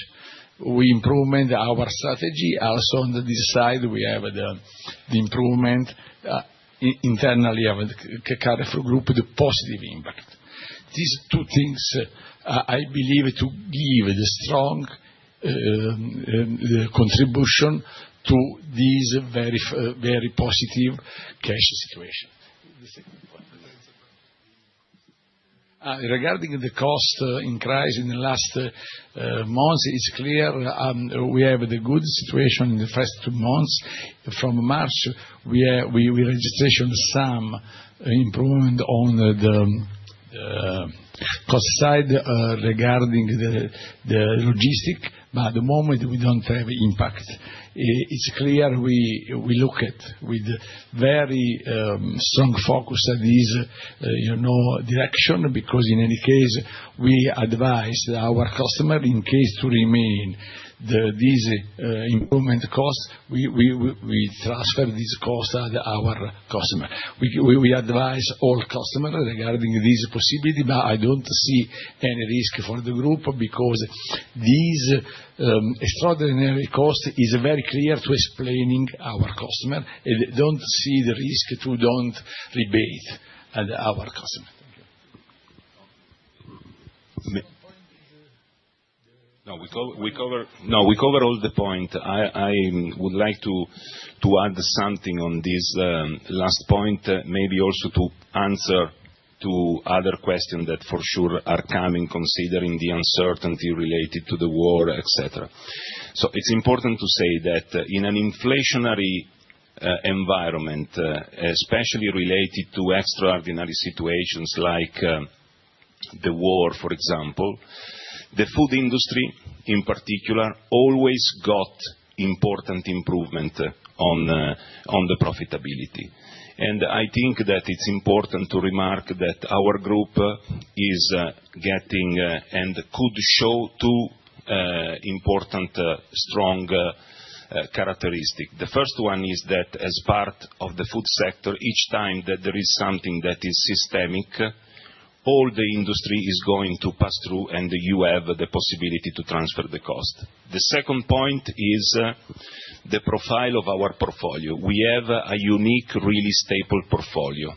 we improved our strategy. Also on this side, we have the improvement internally of Carrefour Group, the positive impact. These two things I believe give the strong contribution to this very positive cash situation. Regarding the cost increase in the last months, it's clear we have the good situation in the first two months. From March, we registered some improvement on the cost side regarding the logistics, but at the moment we don't have impact. It's clear we look with very strong focus at this direction, because in any case, we advise our customers in case this improvement cost remains, we transfer this cost to our customers. We advise all customers regarding this possibility, but I don't see any risk for the group because this extraordinary cost is very clear to explain to our customers. I don't see the risk of not rebating our customers. No, we cover all the points. I would like to add something on this last point, maybe also to answer to other questions that for sure are coming considering the uncertainty related to the war, etc. It's important to say that in an inflationary environment, especially related to extraordinary situations like the war, for example, the food industry in particular, always got important improvement on the profitability. I think that it's important to remark that our group is getting and could show two important, strong characteristics. The first one is that as part of the food sector, each time that there is something that is systemic, all the industry is going to pass through, and you have the possibility to transfer the cost. The second point is the profile of our portfolio. We have a unique, really staple portfolio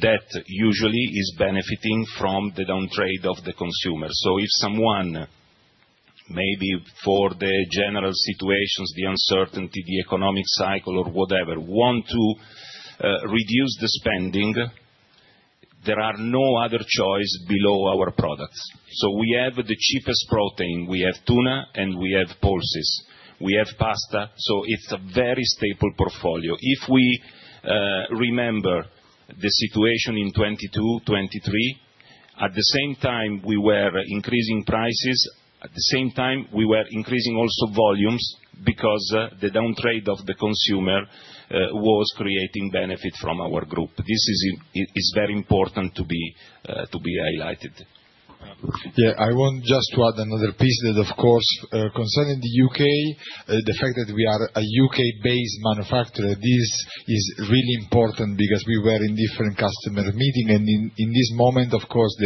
that usually is benefiting from the downtrade of the consumer. If someone, maybe for the general situations, the uncertainty, the economic cycle or whatever, want to reduce the spending, there are no other choice below our products. We have the cheapest protein. We have tuna and we have pulses. We have pasta. It's a very staple portfolio. If we remember the situation in 2022, 2023, at the same time we were increasing prices, at the same time, we were increasing also volumes because the downtrade of the consumer was creating benefit from our group. This is very important to be highlighted. I want just to add another piece that, of course, concerning the U.K., the fact that we are a U.K.-based manufacturer, this is really important because we were in different customer meeting, and in this moment, of course,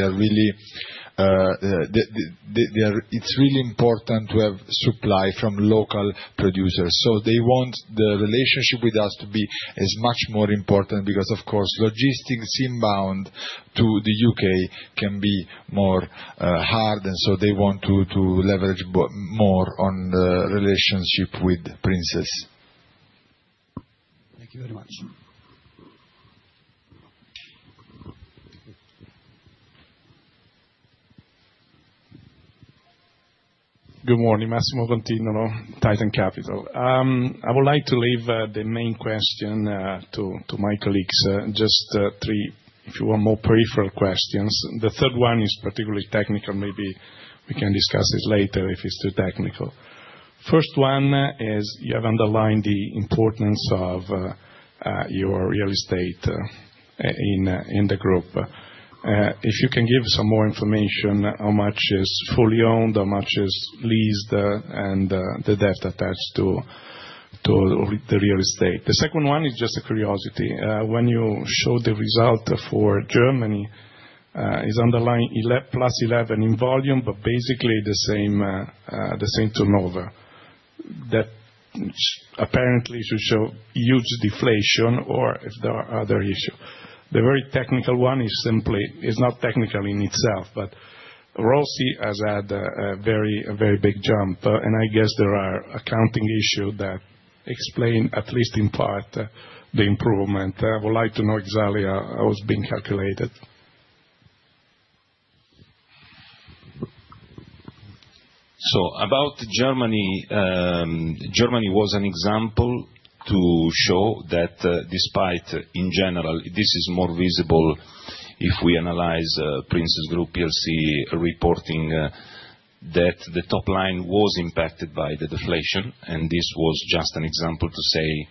it's really important to have supply from local producers. They want the relationship with us to be as much more important because, of course, logistics inbound to the U.K. can be more hard, and they want to leverage more on the relationship with Princes. Thank you very much. Good morning, Massimo Continolo, Titan Capital. I would like to leave the main question to my colleagues. Just three, if you want, more peripheral questions. The third one is particularly technical. Maybe we can discuss this later if it's too technical. First one is, you have underlined the importance of your real estate in the group. If you can give some more information, how much is fully owned, how much is leased, and the debt attached to the real estate. The second one is just a curiosity. When you show the result for Germany, is underlying +11% in volume, but basically the same turnover. That apparently should show huge deflation or if there are other issues. The very technical one is not technical in itself, but ROCE has had a very big jump, and I guess there are accounting issues that explain, at least in part, the improvement. I would like to know exactly how it was being calculated. About Germany was an example to show that despite in general, this is more visible if we analyze Princes Group plc reporting that the top line was impacted by the deflation, and this was just an example to say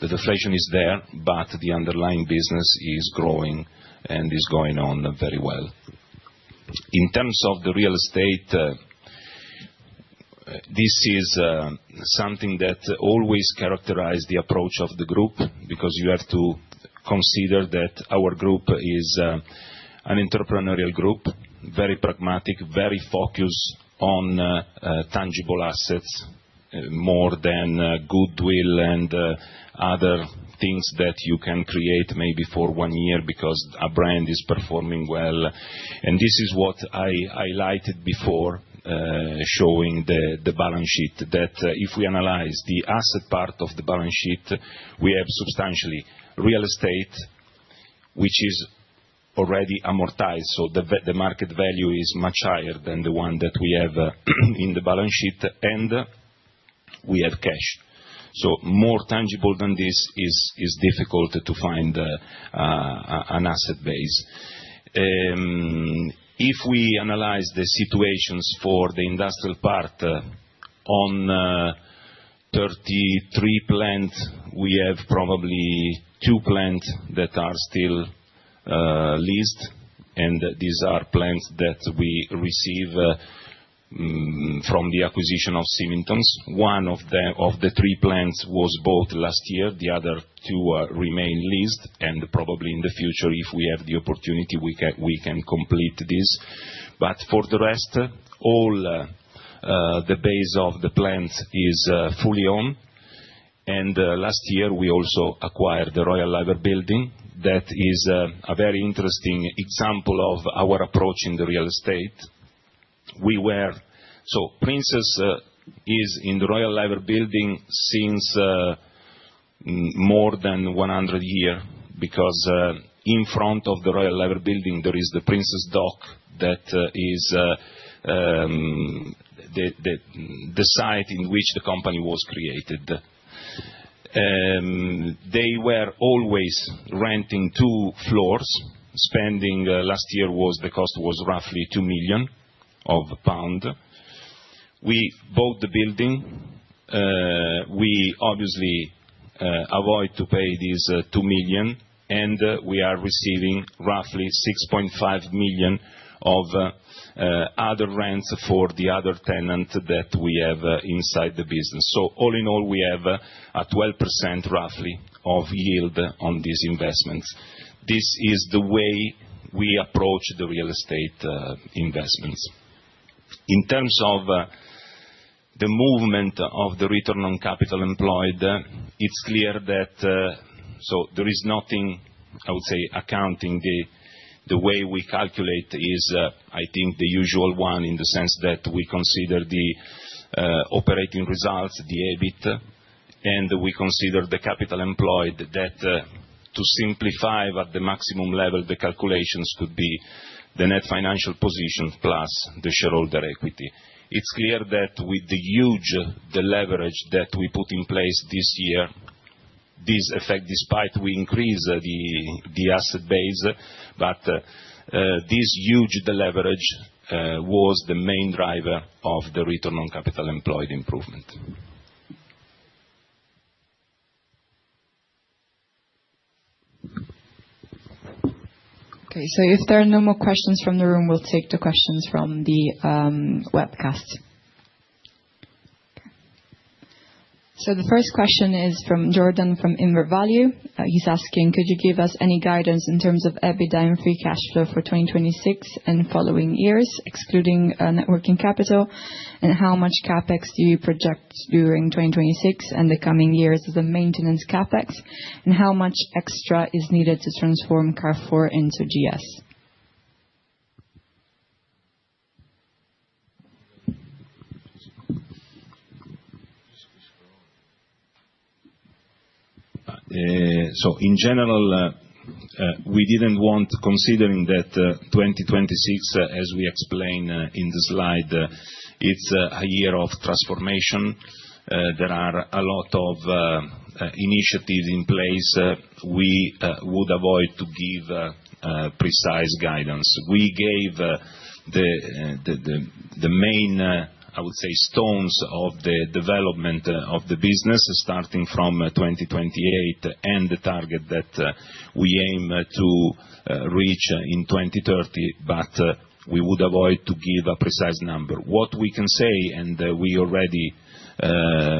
that deflation is there, but the underlying business is growing and is going on very well. In terms of the real estate, this is something that always characterize the approach of the group, because you have to consider that our group is an entrepreneurial group, very pragmatic, very focused on tangible assets, more than goodwill and other things that you can create maybe for one year because a brand is performing well. This is what I highlighted before, showing the balance sheet, that if we analyze the asset part of the balance sheet, we have substantially real estate, which is already amortized. The market value is much higher than the one that we have in the balance sheet. We have cash. More tangible than this is difficult to find an asset base. If we analyze the situations for the industrial part on 33 plants, we have probably two plants that are still leased, and these are plants that we receive from the acquisition of Symington's. One of the three plants was bought last year. The other two remain leased, and probably in the future, if we have the opportunity, we can complete this. For the rest, all the base of the plant is fully owned. Last year, we also acquired the Royal Liver Building. That is a very interesting example of our approach in the real estate. Princes is in the Royal Liver Building since more than 100 years because, in front of the Royal Liver Building, there is the Princes Dock. That is the site in which the company was created. They were always renting two floors, spending last year the cost was roughly 2 million pound. We bought the building. We obviously avoid to pay these 2 million, and we are receiving roughly 6.5 million of other rents for the other tenant that we have inside the business. All in all, we have roughly 12% yield on this investment. This is the way we approach the real estate investments. In terms of the movement of the return on capital employed, there is nothing, I would say, accounting. The way we calculate is, I think, the usual one in the sense that we consider the operating results, the EBIT, and we consider the capital employed, that to simplify at the maximum level, the calculations could be the net financial position plus the shareholder equity. It's clear that with the huge deleverage that we put in place this year, this effect, despite we increase the asset base, but this huge deleverage, was the main driver of the return on capital employed improvement. Okay, if there are no more questions from the room, we'll take the questions from the webcast. Okay. The first question is from Jordan, from InverValue. He's asking, could you give us any guidance in terms of EBITDA and free cash flow for 2026 and following years, excluding working capital? And how much CapEx do you project during 2026 and the coming years as a maintenance CapEx, and how much extra is needed to transform Carrefour into GS? In general, we didn't want, considering that 2026, as we explain in the slide, it's a year of transformation. There are a lot of initiatives in place. We would avoid to give precise guidance. We gave the main, I would say, milestones of the development of the business, starting from 2028 and the target that we aim to reach in 2030, but we would avoid to give a precise number. What we can say, and we already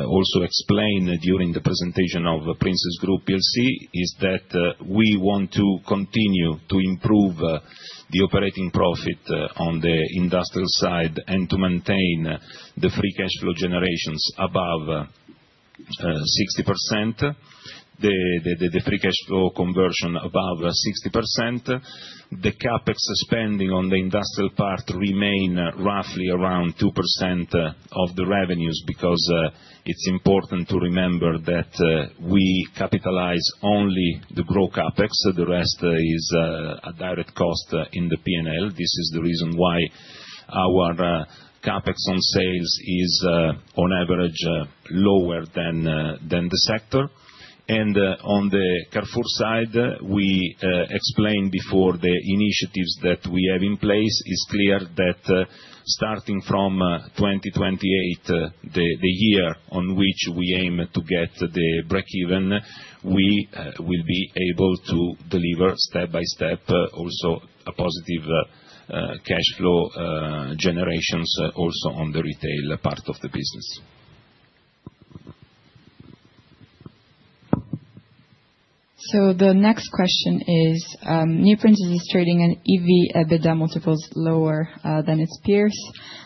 also explained during the presentation of the Princes Group plc, is that we want to continue to improve the operating profit on the industrial side and to maintain the free cash flow generations above 60%, the free cash flow conversion above 60%, the CapEx spending on the industrial part remain roughly around 2% of the revenues, because it's important to remember that we capitalize only the growth CapEx. The rest is a direct cost in the P&L. This is the reason why our CapEx on sales is, on average, lower than the sector. On the Carrefour side, we explained before the initiatives that we have in place. It's clear that starting from 2028, the year on which we aim to get to the break even, we will be able to deliver step by step, also a positive cash flow generations also on the retail part of the business. The next question is, NewPrinces is trading at an EV/EBITDA multiple lower than its peers.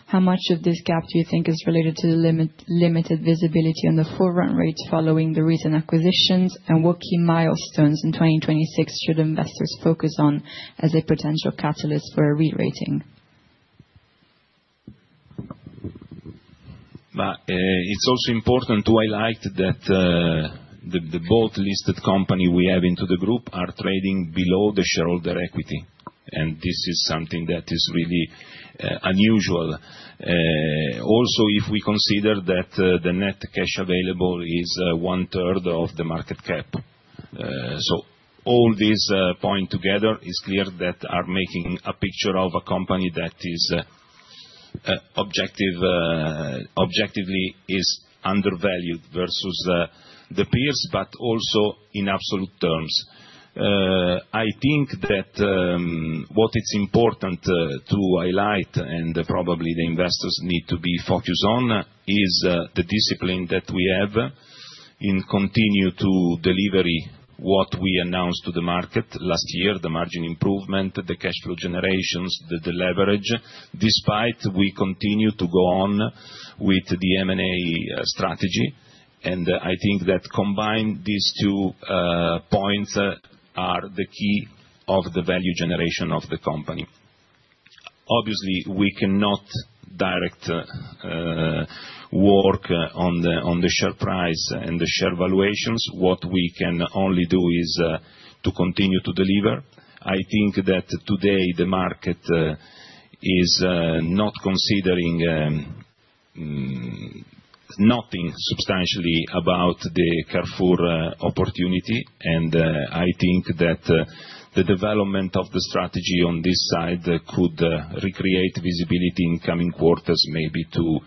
How much of this gap do you think is related to the limited visibility on the run rates following the recent acquisitions, and what key milestones in 2026 should investors focus on as a potential catalyst for a re-rating? It's also important to highlight that both listed company we have into the group are trading below the shareholder equity, and this is something that is really unusual. Also, if we consider that the net cash available is one third of the market cap. All these points together, it's clear that are making a picture of a company that is objectively is undervalued versus the peers, but also in absolute terms. I think that what is important to highlight, and probably the investors need to be focused on, is the discipline that we have and continue to delivery what we announced to the market last year, the margin improvement, the cash flow generations, the leverage, despite we continue to go on with the M&A strategy. I think that combined these two points are the key of the value generation of the company. Obviously, we cannot direct work on the share price and the share valuations. What we can only do is to continue to deliver. I think that today the market is not considering nothing substantially about the Carrefour opportunity. I think that the development of the strategy on this side could recreate visibility in coming quarters maybe to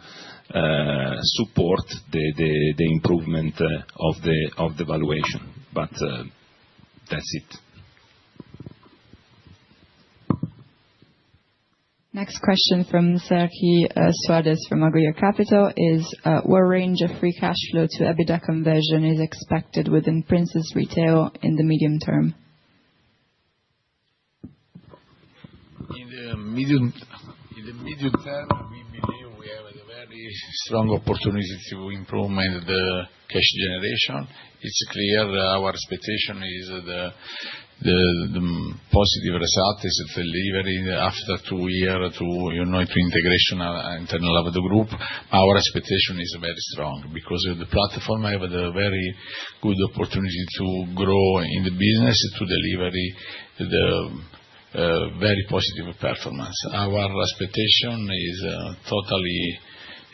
support the improvement of the valuation. That's it. Next question from Sergie Suarez from Augur Capital is, what range of free cash flow to EBITDA conversion is expected within Princes Retail in the medium term? In the medium term, we believe we have a very strong opportunity to improve the cash generation. It's clear our expectation is the positive result is delivering after two year to integration internal of the group. Our expectation is very strong because with the platform, we have a very good opportunity to grow in the business to deliver the very positive performance. Our expectation is totally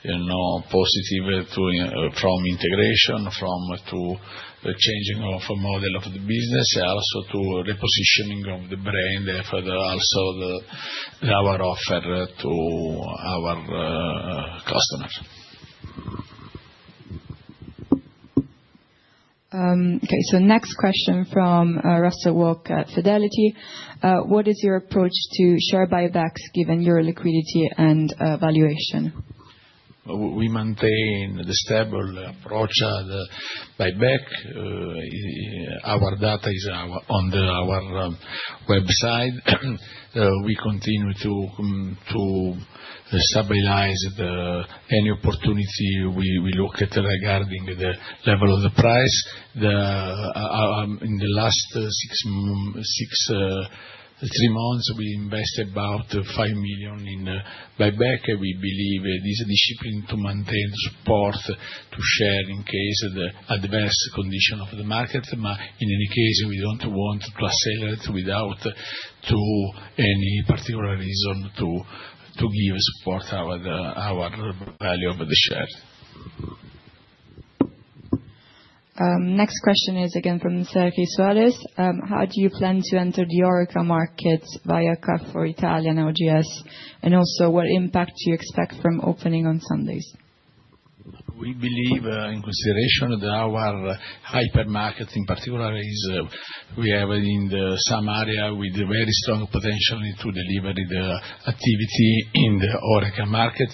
positive from integration, from to changing of model of the business, also to repositioning of the brand for the also our offer to our customers. Okay, next question from Russell Walk at Fidelity. What is your approach to share buybacks given your liquidity and valuation? We maintain the stable approach of the buyback. Our data is on our website. We continue to stabilize any opportunity we look at regarding the level of the price. In the last six months the three months, we invest about 5 million in buyback. We believe this discipline to maintain support to share in case of the adverse condition of the market. In any case, we don't want to accelerate without any particular reason to give support our value of the share. Next question is again from Sarah Soares. How do you plan to enter the HoReCa markets via Carrefour, Italian GS? What impact do you expect from opening on Sundays? We believe, in consideration that our hypermarket in particular, we have in some area with very strong potential to deliver the activity in the HoReCa market.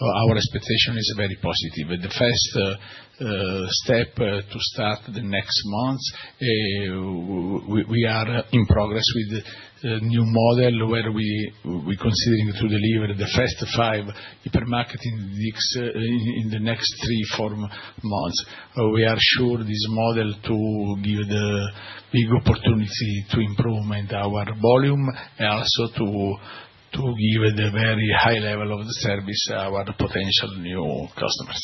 Our expectation is very positive. The first step to start the next month, we are in progress with the new model, where we're considering to deliver the first five hypermarket in the next three to four months. We are sure this model to give the big opportunity to improvement our volume, and also to give the very high level of the service to our potential new customers.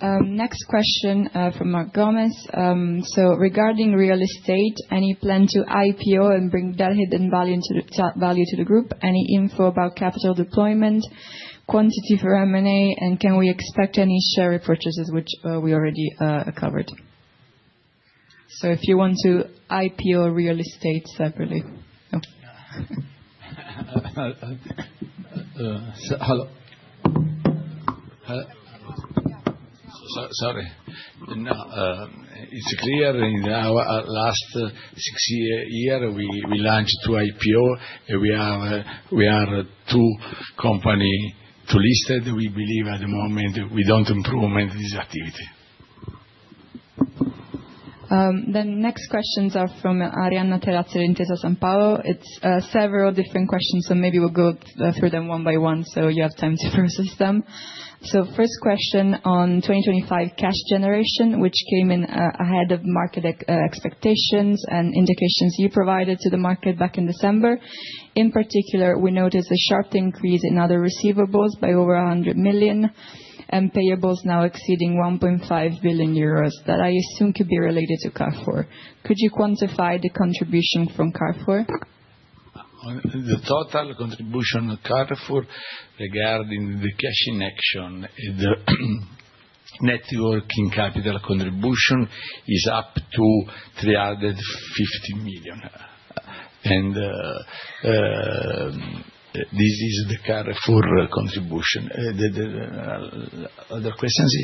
Next question, from Mark Gomez. Regarding real estate, any plan to IPO and bring that hidden value to the group? Any info about capital deployment, quantity for M&A, and can we expect any share repurchases, which we already covered? If you want to IPO real estate separately. It's clear. In our last six years, we launched two IPOs. We have two companies listed. We believe at the moment we don't see improvement in this activity. Next questions are from Arianna Terrazzi, Intesa Sanpaolo. It's several different questions, so maybe we'll go through them one by one, so you have time to process them. First question on 2025 cash generation, which came in ahead of market expectations and indications you provided to the market back in December. In particular, we noticed a sharp increase in other receivables by over 100 million and payables now exceeding 1.5 billion euros, that I assume could be related to Carrefour. Could you quantify the contribution from Carrefour? The total contribution of Carrefour regarding the acquisition, the net working capital contribution is up to 350 million. This is the Carrefour contribution. Other questions?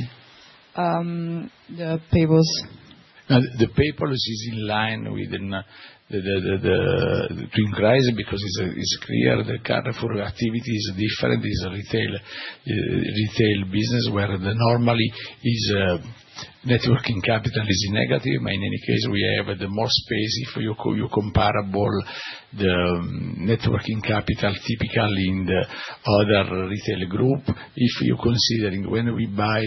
The payables. The payables is in line with the increase because it's clear the Carrefour activity is different. It's a retail business where normally working capital is negative. In any case, we have more space if you compare the working capital typical in the other retail group. If you're considering when we bought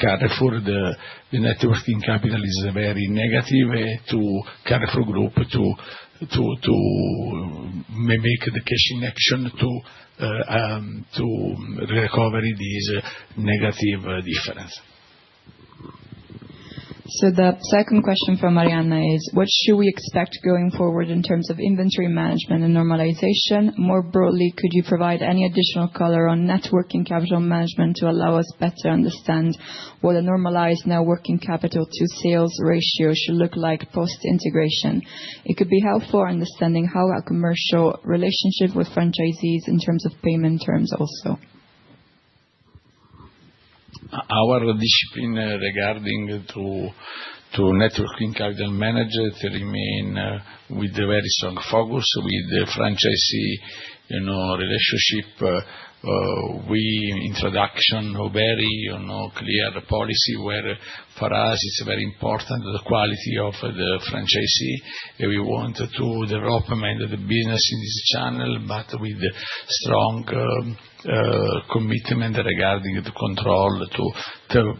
Carrefour, the working capital is very negative for the Carrefour Group to make the cash and to recover this negative difference. The second question from Arianna is, what should we expect going forward in terms of inventory management and normalization? More broadly, could you provide any additional color on net working capital management to allow us to better understand what a normalized net working capital to sales ratio should look like post-integration? It could be helpful understanding how our commercial relationship with franchisees in terms of payment terms also. Our discipline regarding working capital management remains with the very strong focus with the franchisee relationship. We introduced very clear policy where for us it's very important the quality of the franchisee. We want to develop the business in this channel, but with strong commitment regarding the control to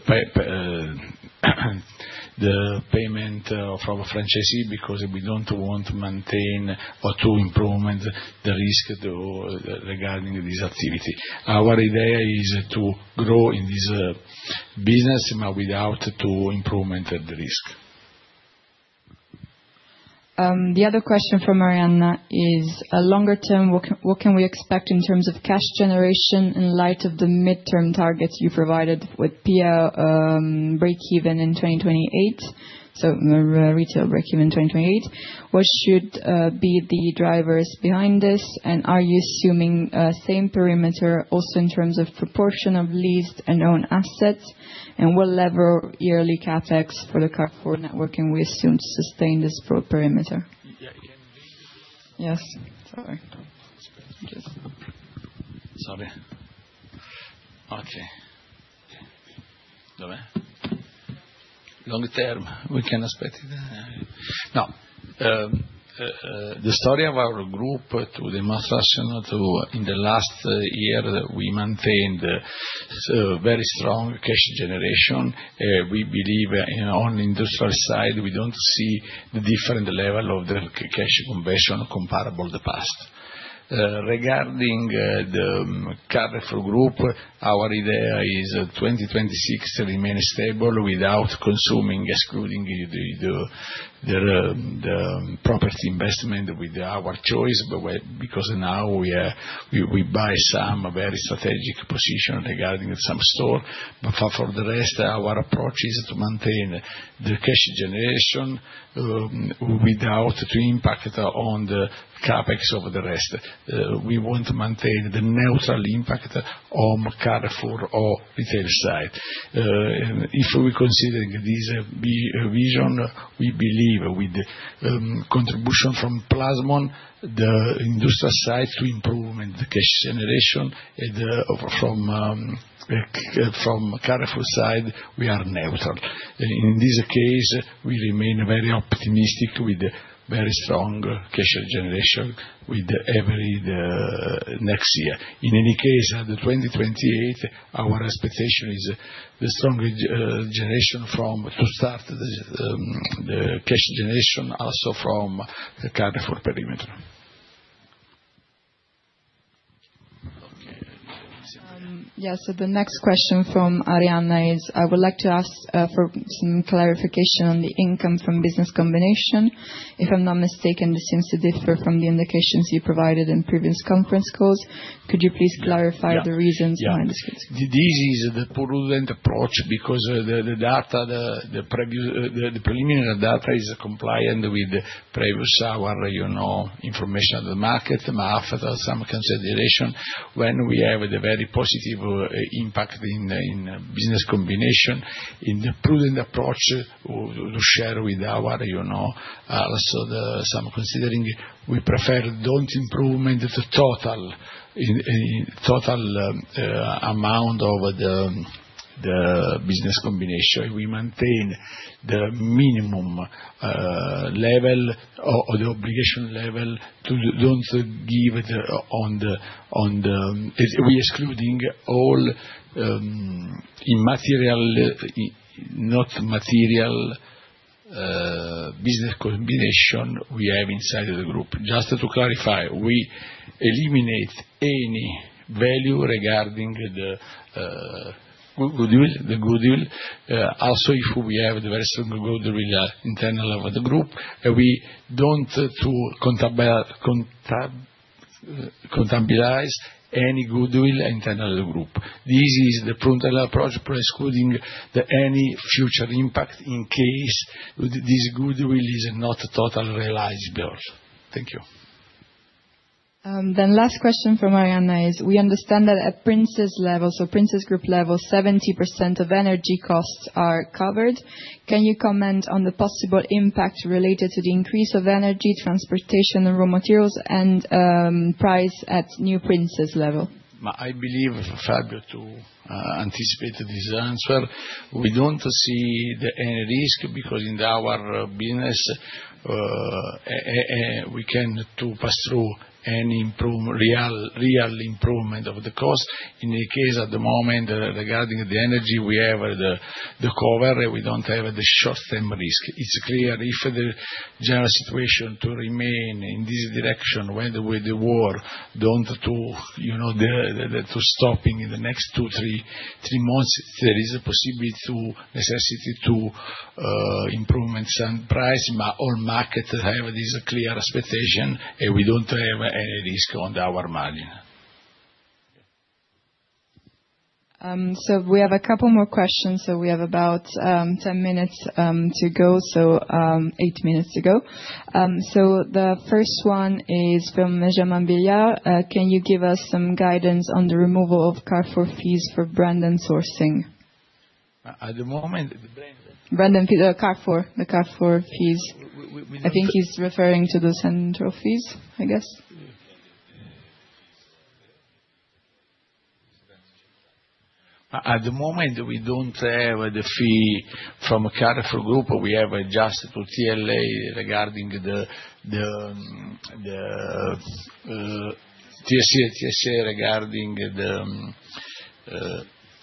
the payment from a franchisee, because we don't want to maintain or to improve the risk regarding this activity. Our idea is to grow in this business, but without to improve the risk. The other question from Arianna is, longer term, what can we expect in terms of cash generation in light of the midterm targets you provided with PIA breakeven in 2028? Retail breakeven 2028. What should be the drivers behind this? Are you assuming same perimeter also in terms of proportion of leased and owned assets? What level yearly CapEx for the Carrefour network can we assume to sustain this perimeter? Yeah. Yes. Sorry. Just. Sorry. Okay. Long term, we can expect it. The story of our group to demonstrate in the last year, we maintained very strong cash generation. We believe on industrial side, we don't see the different level of the cash conversion comparable the past. Regarding the Carrefour Group, our idea is 2026 remain stable without consuming, excluding the property investment with our choice, because now we buy some very strategic position regarding some store. For the rest, our approach is to maintain the cash generation without the impact on the CapEx of the rest. We want to maintain the neutral impact on Carrefour or retail side. If we considering this vision, we believe with contribution from Plasmon, the industrial side to improvement the cash generation from Carrefour side, we are neutral. In this case, we remain very optimistic with very strong cash generation with every next year. In any case, by 2028, our expectation is to start strong cash generation also from the Carrefour perimeter. Okay. Yes. The next question from Arianna is: I would like to ask for some clarification on the income from business combination. If I'm not mistaken, this seems to differ from the indications you provided in previous conference calls. Could you please clarify the reasons behind this, please? This is the prudent approach because the preliminary data is compliant with prior year information on the market, after some consideration, when we have the very positive impact in business combination in the prudent approach to share with our. Some considering, we prefer not to improve the total amount of the business combination. We maintain the minimum level or the obligation level to not give it on the. We excluding all not material business combination we have inside the group. Just to clarify, we eliminate any value regarding the goodwill. Also, if we have very strong goodwill internal of the group, we do not capitalize any goodwill internal group. This is the prudent approach, precluding any future impact in case this goodwill is not totally realizable. Thank you. Last question from Arianna is: we understand that at Princes level, so Princes Group level, 70% of energy costs are covered. Can you comment on the possible impact related to the increase of energy, transportation, and raw materials and prices at NewPrinces level? I believe Fabio to anticipate this answer. We don't see any risk because in our business, we can to pass through any real improvement of the cost. In any case, at the moment, regarding the energy, we have the cover. We don't have the short-term risk. It's clear if the general situation to remain in this direction, where the war to stopping in the next two, three months, there is a possibility, necessity to improvement some price. All market have this clear expectation, and we don't have any risk on our margin. We have a couple more questions. We have about 10 minutes to go. Eight minutes to go. The first one is from Benjamin Billiard. Can you give us some guidance on the removal of Carrefour fees for brand and sourcing? At the moment, the brand. Carrefour. The Carrefour fees. I think he's referring to the central fees, I guess. At the moment, we don't have the fee from Carrefour Group. We have adjusted to TSA regarding the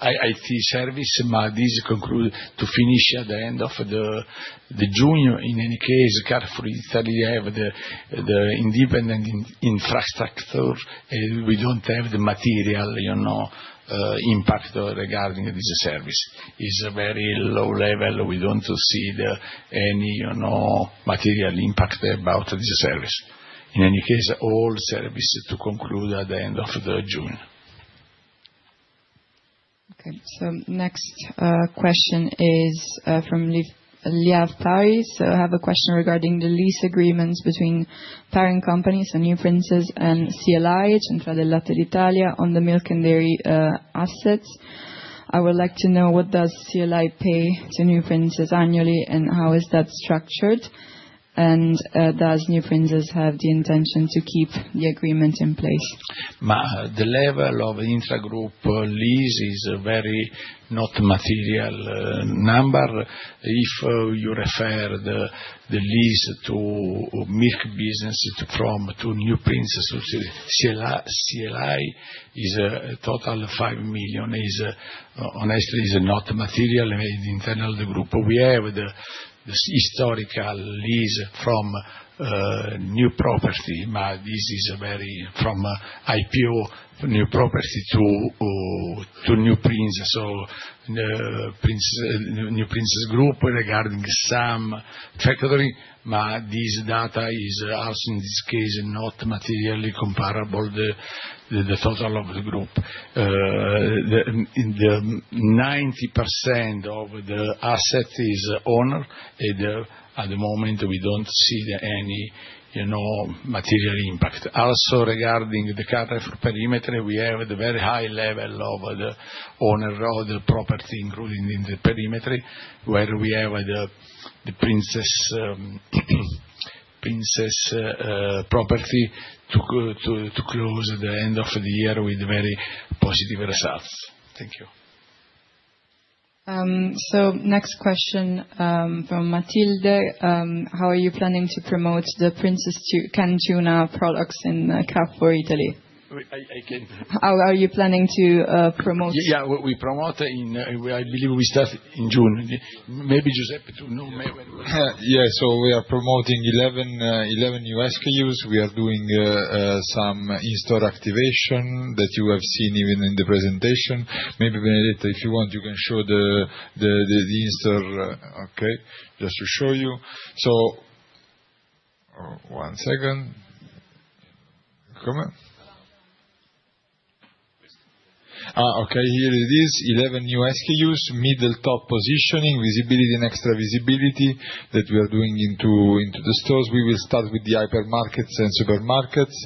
IT service, but this conclude to finish at the end of June. In any case, Carrefour Italy have the independent infrastructure, and we don't have the material impact regarding this service. It's very low level. We don't see any material impact about this service. In any case, all service to conclude at the end of June. Okay, next question is from Lia Paris. I have a question regarding the lease agreements between parent companies and NewPrinces and CLI, Centrale del Latte d'Italia, on the milk and dairy assets. I would like to know what does CLI pay to NewPrinces annually, and how is that structured? Does NewPrinces have the intention to keep the agreement in place? The level of intragroup lease is a very not material number. If you refer the lease to milk business from to NewPrinces. CLI is a total 5 million, honestly, is not material internal the group. We have the historical lease from New Property, from IPO, New Property to NewPrinces. NewPrinces Group regarding some factory, but this data is also, in this case, not materially comparable to the total of the group. 90% of the asset is owned, at the moment, we don't see any material impact. Also regarding the category for perimeter, we have the very high level of ownership of the property included in the perimeter, where we have the Princes Property to close at the end of the year with very positive results. Thank you. Next question from Matilde. How are you planning to promote the Princes canned tuna products in Carrefour Italy? I can. How are you planning to promote? Yeah, we promote in. I believe we start in June. Maybe Giuseppe does know maybe when we start. Yeah. We are promoting 11 new SKUs. We are doing some in-store activation that you have seen even in the presentation. Maybe Benedetta, if you want, you can show these. Okay, just to show you. One second. Come on. Okay, here it is. 11 new SKUs, middle top positioning, visibility and extra visibility that we are doing into the stores. We will start with the hyper markets and supermarkets.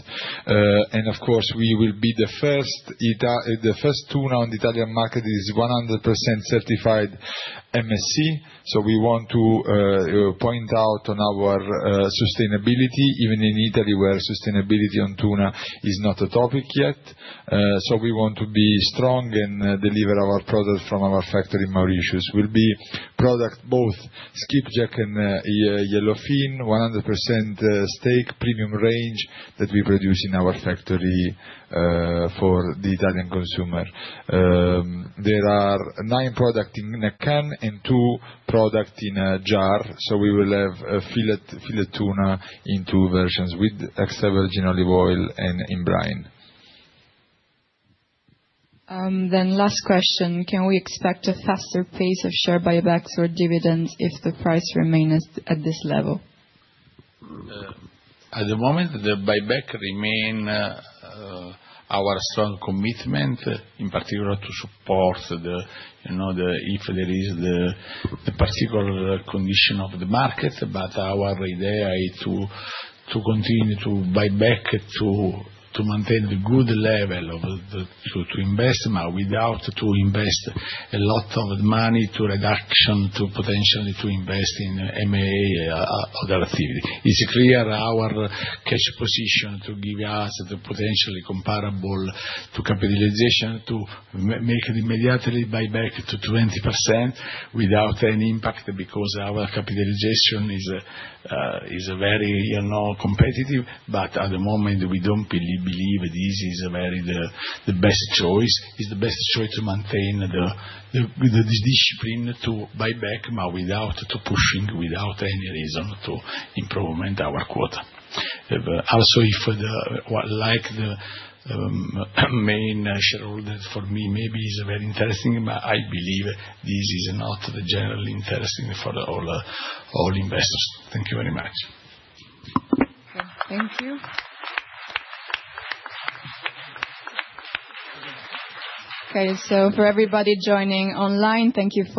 Of course, we will be the first tuna on the Italian market is 100% certified MSC. We want to point out on our sustainability, even in Italy, where sustainability on tuna is not a topic yet. We want to be strong and deliver our product from our factory in Mauritius. We will be producing both skipjack and yellowfin, 100% steak premium range that we produce in our factory for the Italian consumer. There are nine products in a can and two products in a jar. We will have a fillet tuna in two versions with extra virgin olive oil and in brine. Last question. Can we expect a faster pace of share buybacks or dividends if the price remains at this level? At the moment, the buyback remain our strong commitment, in particular to support if there is the particular condition of the market. Our idea is to continue to buy back to maintain the good level to invest, but without to invest a lot of money to reduction, to potentially to invest in M&A other activity. It's clear our cash position to give us the potentially comparable to capitalization to make it immediately buy back to 20% without any impact, because our capitalization is very competitive. At the moment, we don't believe this is the best choice. It's the best choice to maintain the discipline to buy back, but without to pushing, without any reason to improvement our quota. Also, if like the main shareholder, for me, maybe it's very interesting, but I believe this is not the general interesting for all investors. Thank you very much. Okay, thank you. Okay, for everybody joining online, thank you for